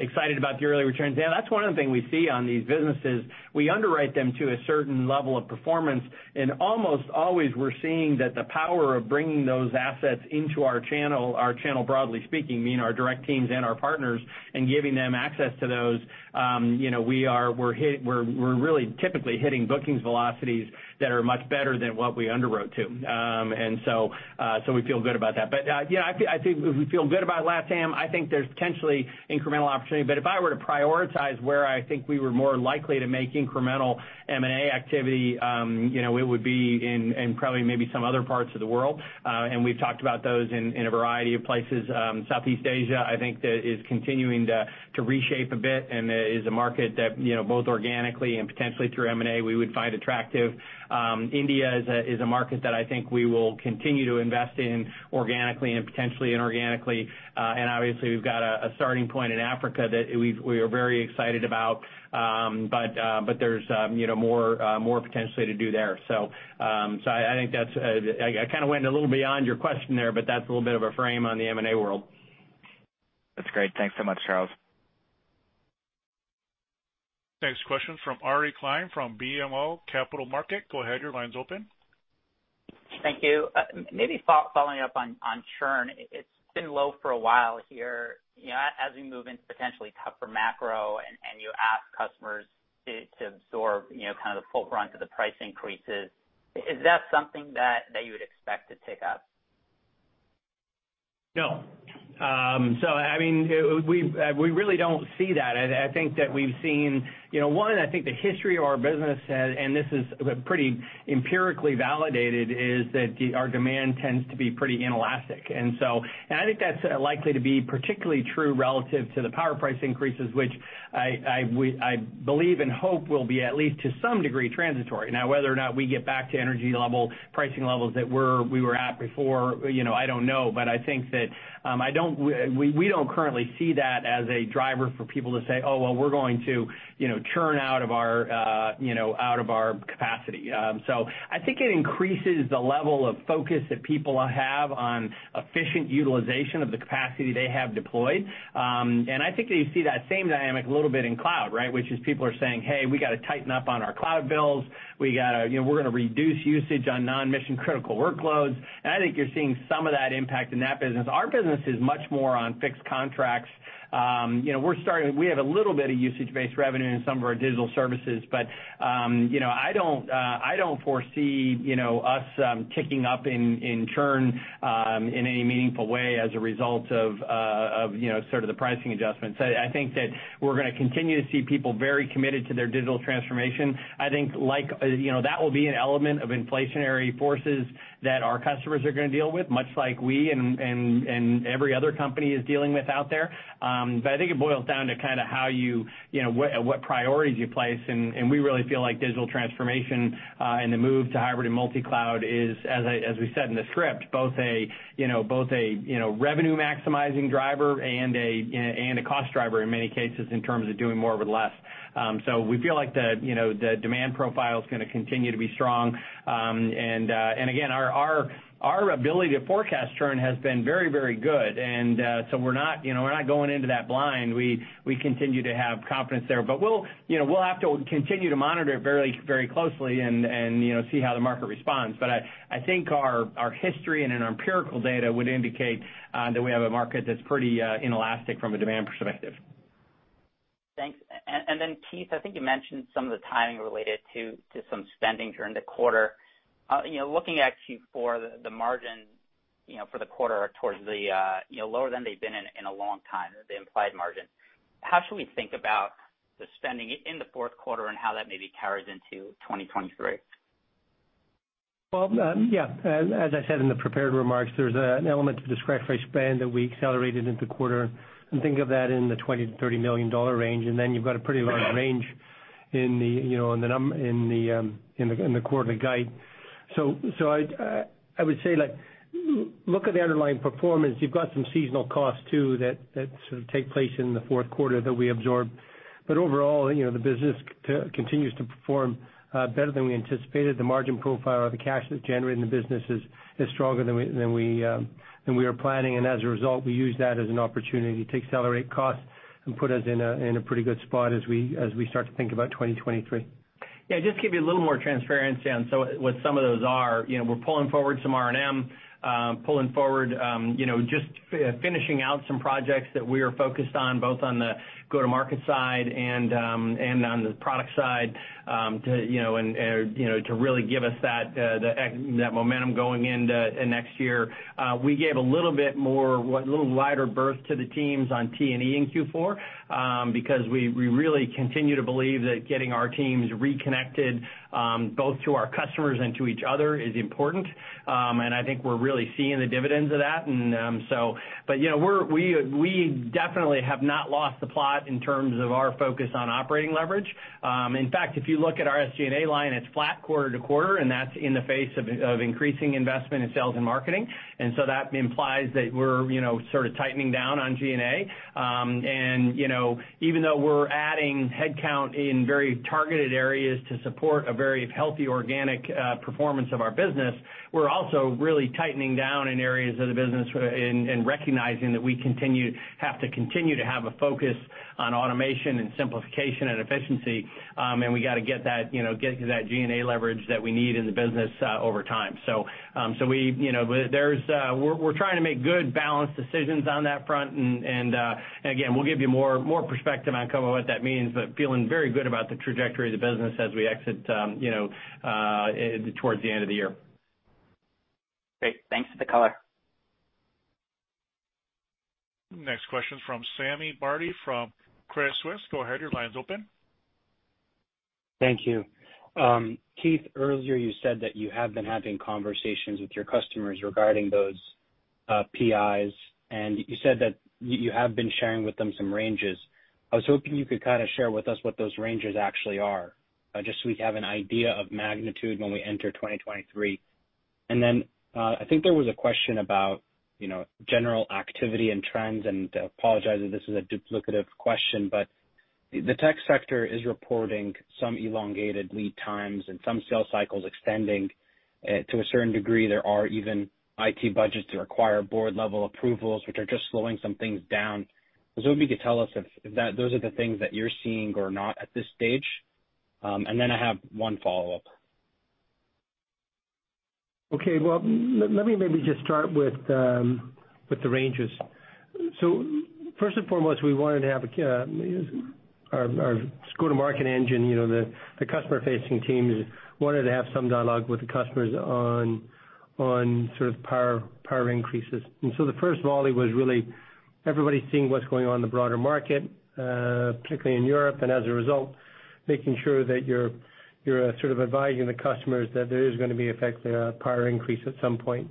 Excited about the early returns. Yeah, that's one other thing we see on these businesses. We underwrite them to a certain level of performance, and almost always we're seeing that the power of bringing those assets into our channel, our channel broadly speaking, meaning our direct teams and our partners, and giving them access to those, you know, we're really typically hitting bookings velocities that are much better than what we underwrote to. We feel good about that. Yeah, I feel, I think we feel good about LatAm. I think there's potentially incremental opportunity. If I were to prioritize where I think we were more likely to make incremental M&A activity, you know, it would be in probably maybe some other parts of the world. We've talked about those in a variety of places. Southeast Asia, I think that is continuing to reshape a bit and is a market that, you know, both organically and potentially through M&A we would find attractive. India is a market that I think we will continue to invest in organically and potentially inorganically. Obviously we've got a starting point in Africa that we are very excited about. But there's you know, more potentially to do there. I think that's. I kind of went a little beyond your question there, but that's a little bit of a frame on the M&A world. That's great. Thanks so much, Charles. Next question from Ari Klein from BMO Capital Markets. Go ahead, your line's open. Thank you. Maybe following up on churn. It's been low for a while here. You know, as we move into potentially tougher macro and you ask customers to absorb, you know, kind of the full brunt of the price increases, is that something that you would expect to tick up? No. I mean, we really don't see that. I think that we've seen, you know, one, I think the history of our business has, and this is pretty empirically validated, is that our demand tends to be pretty inelastic. I think that's likely to be particularly true relative to the power price increases, which I believe and hope will be at least to some degree transitory. Now, whether or not we get back to energy level, pricing levels that we were at before, you know, I don't know. I think that we don't currently see that as a driver for people to say, "Oh, well, we're going to, you know, churn out of our, you know, out of our capacity." I think it increases the level of focus that people have on efficient utilization of the capacity they have deployed. I think that you see that same dynamic a little bit in cloud, right? Which is people are saying, "Hey, we got to tighten up on our cloud bills. We got to, you know, we're gonna reduce usage on non-mission critical workloads." I think you're seeing some of that impact in that business. Our business is much more on fixed contracts. You know, we're starting, we have a little bit of usage-based revenue in some of our digital services, but you know, I don't foresee you know, us ticking up in churn in any meaningful way as a result of of you know, sort of the pricing adjustments. I think that we're gonna continue to see people very committed to their digital transformation. I think like you know, that will be an element of inflationary forces that our customers are gonna deal with, much like we and every other company is dealing with out there. I think it boils down to kind of how you know, what priorities you place, and we really feel like digital transformation and the move to hybrid and multi-cloud is, as we said in the script, both a, you know, revenue-maximizing driver and a cost driver in many cases in terms of doing more with less. We feel like the, you know, demand profile's gonna continue to be strong. Again, our ability to forecast churn has been very good. We're not, you know, going into that blind. We continue to have confidence there. We'll, you know, have to continue to monitor it very closely and, you know, see how the market responds. I think our history and empirical data would indicate that we have a market that's pretty inelastic from a demand perspective. Thanks. Keith, I think you mentioned some of the timing related to some spending during the quarter. You know, looking actually for the margin, you know, for the quarter towards the, you know, lower than they've been in a long time, the implied margin. How should we think about the spending in the Q4 and how that maybe carries into 2023? Well, yeah. As I said in the prepared remarks, there's an element to the discretionary spend that we accelerated into quarter, and think of that in the $20 million-$30 million range. Then you've got a pretty large range in the, you know, in the quarterly guide. I would say, like, look at the underlying performance. You've got some seasonal costs too that sort of take place in the Q4 that we absorb. Overall, you know, the business continues to perform better than we anticipated. The margin profile of the cash that's generated in the business is stronger than we were planning. As a result, we use that as an opportunity to accelerate costs and put us in a pretty good spot as we start to think about 2023. Yeah, just give you a little more transparency on some of what some of those are. You know, we're pulling forward some R&M, pulling forward, you know, just finishing out some projects that we are focused on, both on the go-to-market side and on the product side, to really give us that momentum going into next year. We gave a little bit more, a little lighter berth to the teams on T&E in Q4, because we really continue to believe that getting our teams reconnected, both to our customers and to each other is important. I think we're really seeing the dividends of that. We definitely have not lost the plot in terms of our focus on operating leverage. In fact, if you look at our SG&A line, it's flat quarter to quarter, and that's in the face of increasing investment in sales and marketing. That implies that we're, you know, sort of tightening down on G&A. You know, even though we're adding headcount in very targeted areas to support a very healthy organic performance of our business, we're also really tightening down in areas of the business and recognizing that we have to continue to have a focus on automation and simplification and efficiency, and we got to get that, you know, get to that G&A leverage that we need in the business over time. We're trying to make good, balanced decisions on that front. Again, we'll give you more perspective on kind of what that means, but feeling very good about the trajectory of the business as we exit, you know, towards the end of the year. Great. Thanks for the color. Next question's from Sami Badri from Credit Suisse. Go ahead, your line's open. Thank you. Keith, earlier you said that you have been having conversations with your customers regarding those PIs, and you said that you have been sharing with them some ranges. I was hoping you could kind of share with us what those ranges actually are, just so we have an idea of magnitude when we enter 2023. I think there was a question about, you know, general activity and trends, and I apologize if this is a duplicative question, but the tech sector is reporting some elongated lead times and some sales cycles extending. To a certain degree, there are even IT budgets that require board-level approvals, which are just slowing some things down. I was hoping you could tell us if those are the things that you are seeing or not at this stage. I have one follow-up. Well, let me maybe just start with the ranges. First and foremost, we wanted to have our go-to-market engine, you know, the customer-facing teams wanted to have some dialogue with the customers on sort of power increases. The first volley was really everybody seeing what's going on in the broader market, particularly in Europe, and as a result, making sure that you're sort of advising the customers that there is gonna be effectively a power increase at some point.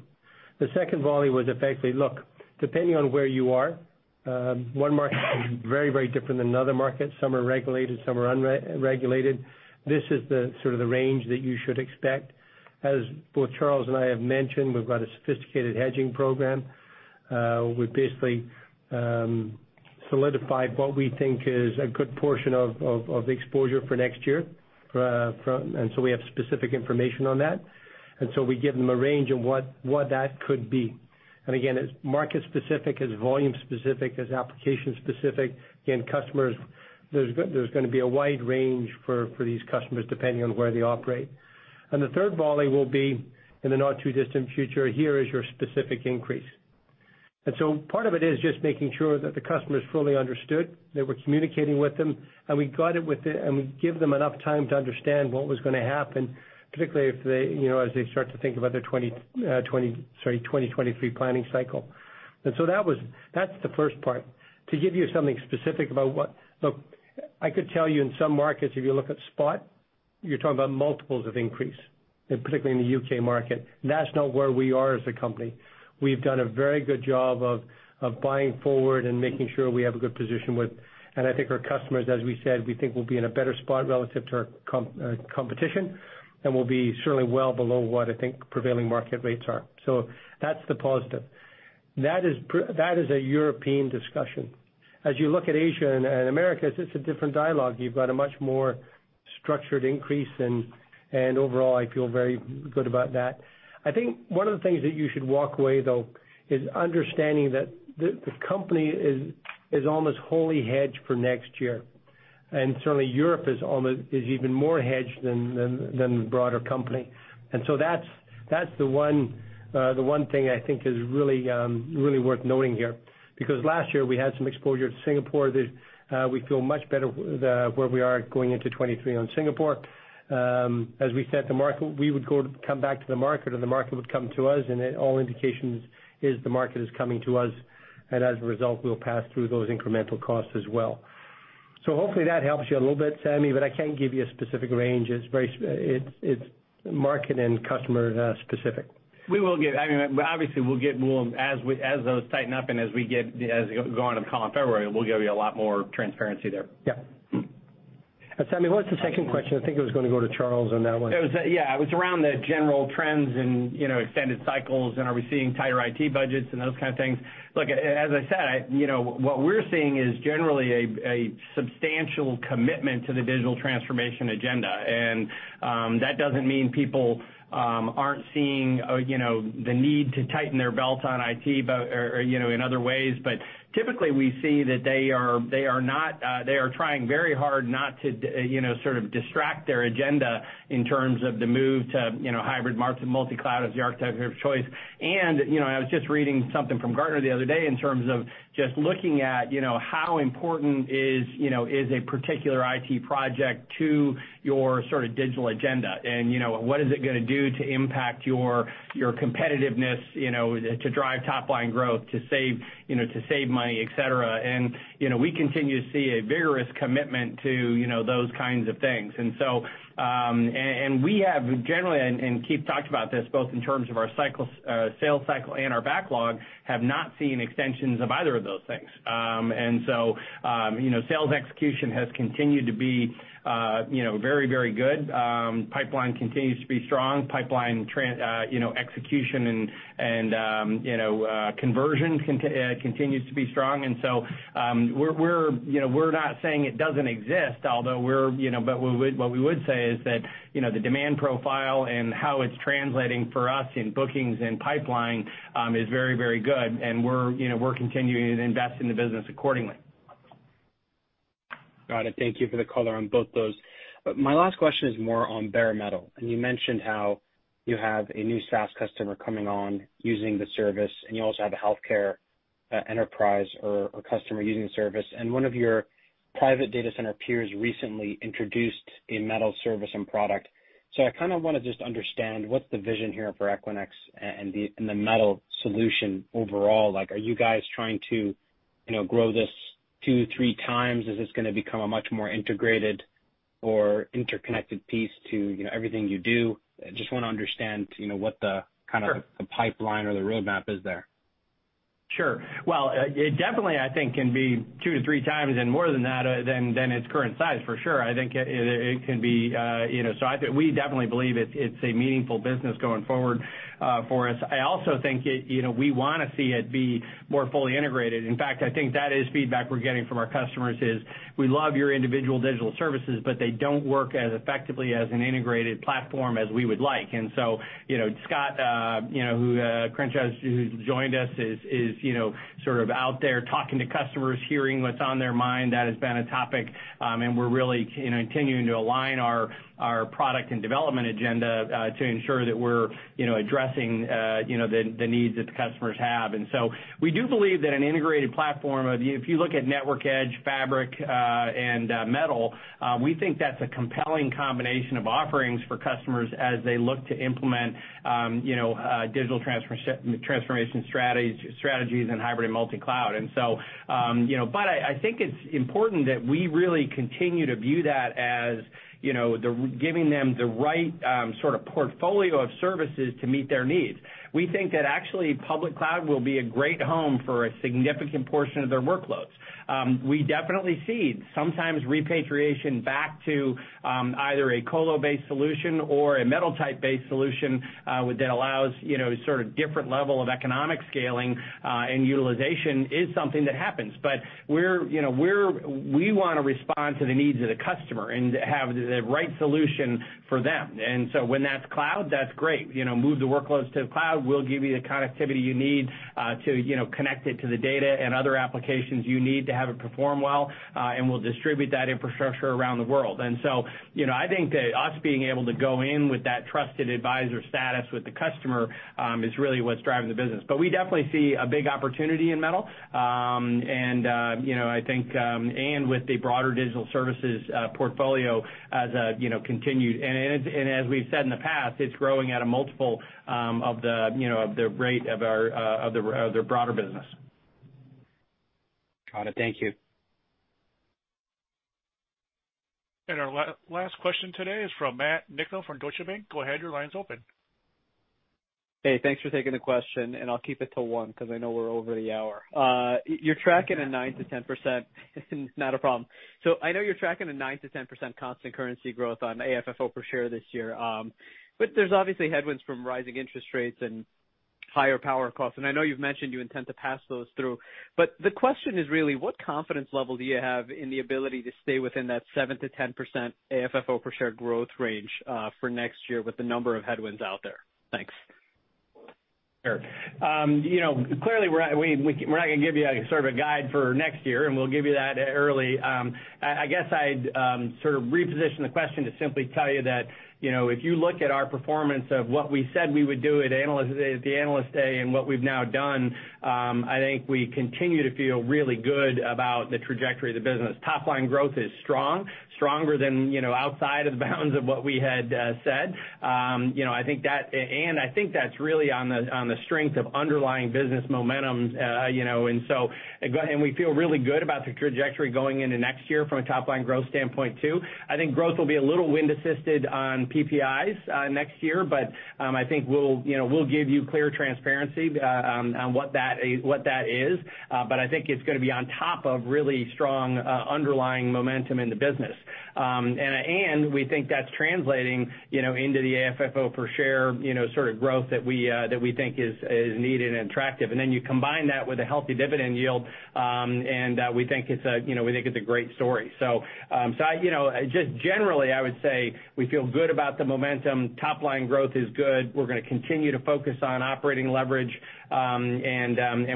The second volley was effectively, look, depending on where you are, one market is very different than another market. Some are regulated, some are unregulated. This is sort of the range that you should expect. As both Charles and I have mentioned, we've got a sophisticated hedging program. We basically solidified what we think is a good portion of the exposure for next year. We have specific information on that. We give them a range of what that could be. Again, it's market specific, it's volume specific, it's application specific. Again, customers, there's gonna be a wide range for these customers, depending on where they operate. The third volley will be in the not too distant future, here is your specific increase. Part of it is just making sure that the customer is fully understood, that we're communicating with them, and we give them enough time to understand what was gonna happen, particularly if they, you know, as they start to think about their 2023 planning cycle. That's the first part. To give you something specific about what. Look, I could tell you in some markets, if you look at spot, you're talking about multiples of increase, and particularly in the U.K. market. That's not where we are as a company. We've done a very good job of buying forward and making sure we have a good position with. I think our customers, as we said, we think will be in a better spot relative to our competition, and we'll be certainly well below what I think prevailing market rates are. That's the positive. That is a European discussion. As you look at Asia and Americas, it's a different dialogue. You've got a much more structured increase and overall, I feel very good about that. I think one of the things that you should walk away, though, is understanding that the company is almost wholly hedged for next year. Certainly Europe is even more edged than the broader company. That's the one thing I think is really worth noting here, because last year we had some exposure to Singapore that we feel much better where we are going into 2023 on Singapore. As we said, we would go back to the market or the market would come to us, and at all indications the market is coming to us. As a result, we'll pass through those incremental costs as well. Hopefully that helps you a little bit, Sami, but I can't give you a specific range. It's market and customer specific. I mean, obviously, we'll get more as those tighten up and as we go into the call in February, we'll give you a lot more transparency there. Yeah. Sami, what's the second question? I think it was gonna go to Charles on that one. It was around the general trends and, you know, extended cycles and are we seeing tighter IT budgets and those kind of things. Look, as I said, you know, what we're seeing is generally a substantial commitment to the digital transformation agenda. That doesn't mean people aren't seeing, you know, the need to tighten their belts on IT, but, or, you know, in other ways. Typically, we see that they are not, they are trying very hard not to, you know, sort of distract their agenda in terms of the move to, you know, hybrid multi-cloud as the architecture of choice. You know, I was just reading something from Gartner the other day in terms of just looking at, you know, how important is a particular IT project to your sort of digital agenda. You know, what is it gonna do to impact your competitiveness, you know, to drive top line growth, to save money, etc. You know, we continue to see a vigorous commitment to, you know, those kinds of things. We have generally, and Keith talked about this, both in terms of our sales cycle and our backlog, have not seen extensions of either of those things. You know, sales execution has continued to be, you know, very good. Pipeline continues to be strong. Pipeline, you know, execution and conversion continues to be strong. You know, we're not saying it doesn't exist, although we're, you know, but what we would say is that, you know, the demand profile and how it's translating for us in bookings and pipeline is very, very good. We're, you know, continuing to invest in the business accordingly. Got it. Thank you for the color on both those. My last question is more on bare metal. You mentioned how you have a new SaaS customer coming on using the service, and you also have a healthcare enterprise or customer using the service. One of your private data center peers recently introduced a metal service and product. I kind of want to just understand what's the vision here for Equinix and the metal solution overall. Like, are you guys trying to, you know, grow this two-three times? Is this gonna become a much more integrated or interconnected piece to, you know, everything you do? I just want to understand, you know, what the kind of. The pipeline or the roadmap is there. Sure. Well, it definitely, I think can be two-three times and more than that, than its current size for sure. I think it can be. I think we definitely believe it's a meaningful business going forward, for us. I also think it, you know, we want to see it be more fully integrated. In fact, I think that is feedback we're getting from our customers is, we love your individual digital services, but they don't work as effectively as an integrated platform as we would like. You know, Scott Crenshaw, who's joined us is, you know, sort of out there talking to customers, hearing what's on their mind. That has been a topic, and we're really, you know, continuing to align our product and development agenda to ensure that we're, you know, addressing, you know, the needs that the customers have. We do believe that an integrated platform. If you look at Network Edge, Fabric, and Metal, we think that's a compelling combination of offerings for customers as they look to implement, you know, digital transformation strategies and hybrid multi-cloud. You know, but I think it's important that we really continue to view that as, you know, the giving them the right, sort of portfolio of services to meet their needs. We think that actually public cloud will be a great home for a significant portion of their workloads. We definitely see sometimes repatriation back to either a colo-based solution or a metal type-based solution that allows, you know, sort of different level of economic scaling and utilization is something that happens. We're, you know, we want to respond to the needs of the customer and have the right solution for them. When that's cloud, that's great. You know, move the workloads to the cloud. We'll give you the connectivity you need to, you know, connect it to the data and other applications you need to have it perform well and we'll distribute that infrastructure around the world. You know, I think that us being able to go in with that trusted advisor status with the customer is really what's driving the business. We definitely see a big opportunity in metal. You know, I think, and with the broader digital services portfolio as a, you know, continued. As we've said in the past, it's growing at a multiple of the, you know, of the rate of our, of the broader business. Got it. Thank you. Our last question today is from Matt Niknam from Deutsche Bank. Go ahead, your line's open. Hey, thanks for taking the question, and I'll keep it to one because I know we're over the hour. I know you're tracking a 9%-10% constant currency growth on AFFO per share this year, but there's obviously headwinds from rising interest rates and higher power costs. I know you've mentioned you intend to pass those through. The question is really, what confidence level do you have in the ability to stay within that 7%-10% AFFO per share growth range for next year with the number of headwinds out there? Thanks. Sure. You know, clearly, we're not gonna give you a sort of a guide for next year, and we'll give you that early. I guess I'd sort of reposition the question to simply tell you that, you know, if you look at our performance of what we said we would do at Analyst Day and what we've now done, I think we continue to feel really good about the trajectory of the business. Top-line growth is strong, stronger than, you know, outside of the bounds of what we had said. You know, I think that's really on the strength of underlying business momentum, you know, and we feel really good about the trajectory going into next year from a top-line growth standpoint too. I think growth will be a little wind assisted on PPIs next year. I think we'll, you know, we'll give you clear transparency on what that is. I think it's gonna be on top of really strong underlying momentum in the business. We think that's translating, you know, into the AFFO per share, you know, sort of growth that we think is needed and attractive. You combine that with a healthy dividend yield, and we think it's a, you know, we think it's a great story. I just generally would say we feel good about the momentum. Top line growth is good. We're gonna continue to focus on operating leverage.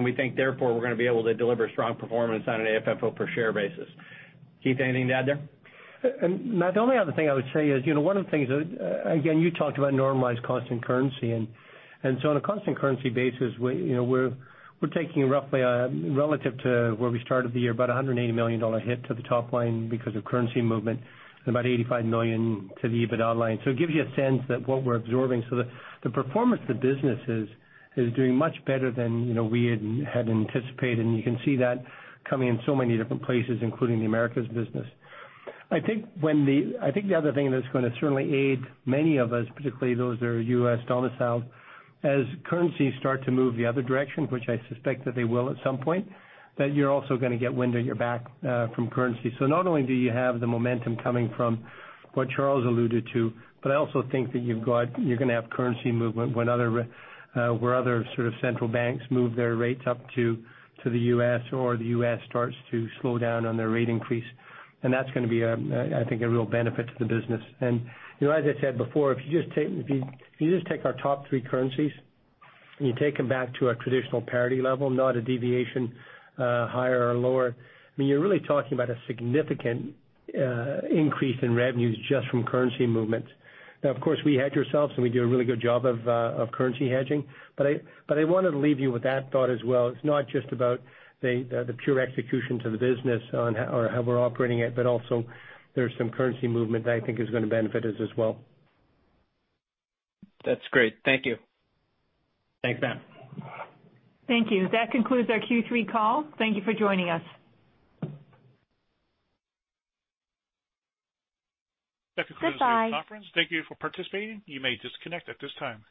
We think therefore we're gonna be able to deliver strong performance on an AFFO per share basis. Keith, anything to add there? Matt, the only other thing I would say is, you know, one of the things that, again, you talked about normalized constant currency on a constant currency basis, we, you know, we're taking roughly, relative to where we started the year, about $180 million hit to the top line because of currency movement and about $85 million to the EBIT line. It gives you a sense that what we're absorbing. The performance of the business is doing much better than, you know, we had anticipated. You can see that coming in so many different places, including the Americas business. I think the other thing that's gonna certainly aid many of us, particularly those that are US domiciled, as currencies start to move the other direction, which I suspect that they will at some point, that you're also gonna get wind at your back from currency. So not only do you have the momentum coming from what Charles alluded to, but I also think that you're gonna have currency movement when other sort of central banks move their rates up to the U.S. or the U.S. starts to slow down on their rate increase. That's gonna be, I think, a real benefit to the business. You know, as I said before, if you just take our top three currencies and you take them back to a traditional parity level, not a deviation, higher or lower, I mean, you're really talking about a significant increase in revenues just from currency movements. Now, of course, we hedge ourselves, and we do a really good job of currency hedging. But I wanted to leave you with that thought as well. It's not just about the pure execution to the business on how we're operating it, but also there's some currency movement that I think is gonna benefit us as well. That's great. Thank you. Thanks, Matt. Thank you. That concludes our Q3 call. Thank you for joining us. That concludes today's conference. Bye-bye. Thank you for participating. You may disconnect at this time.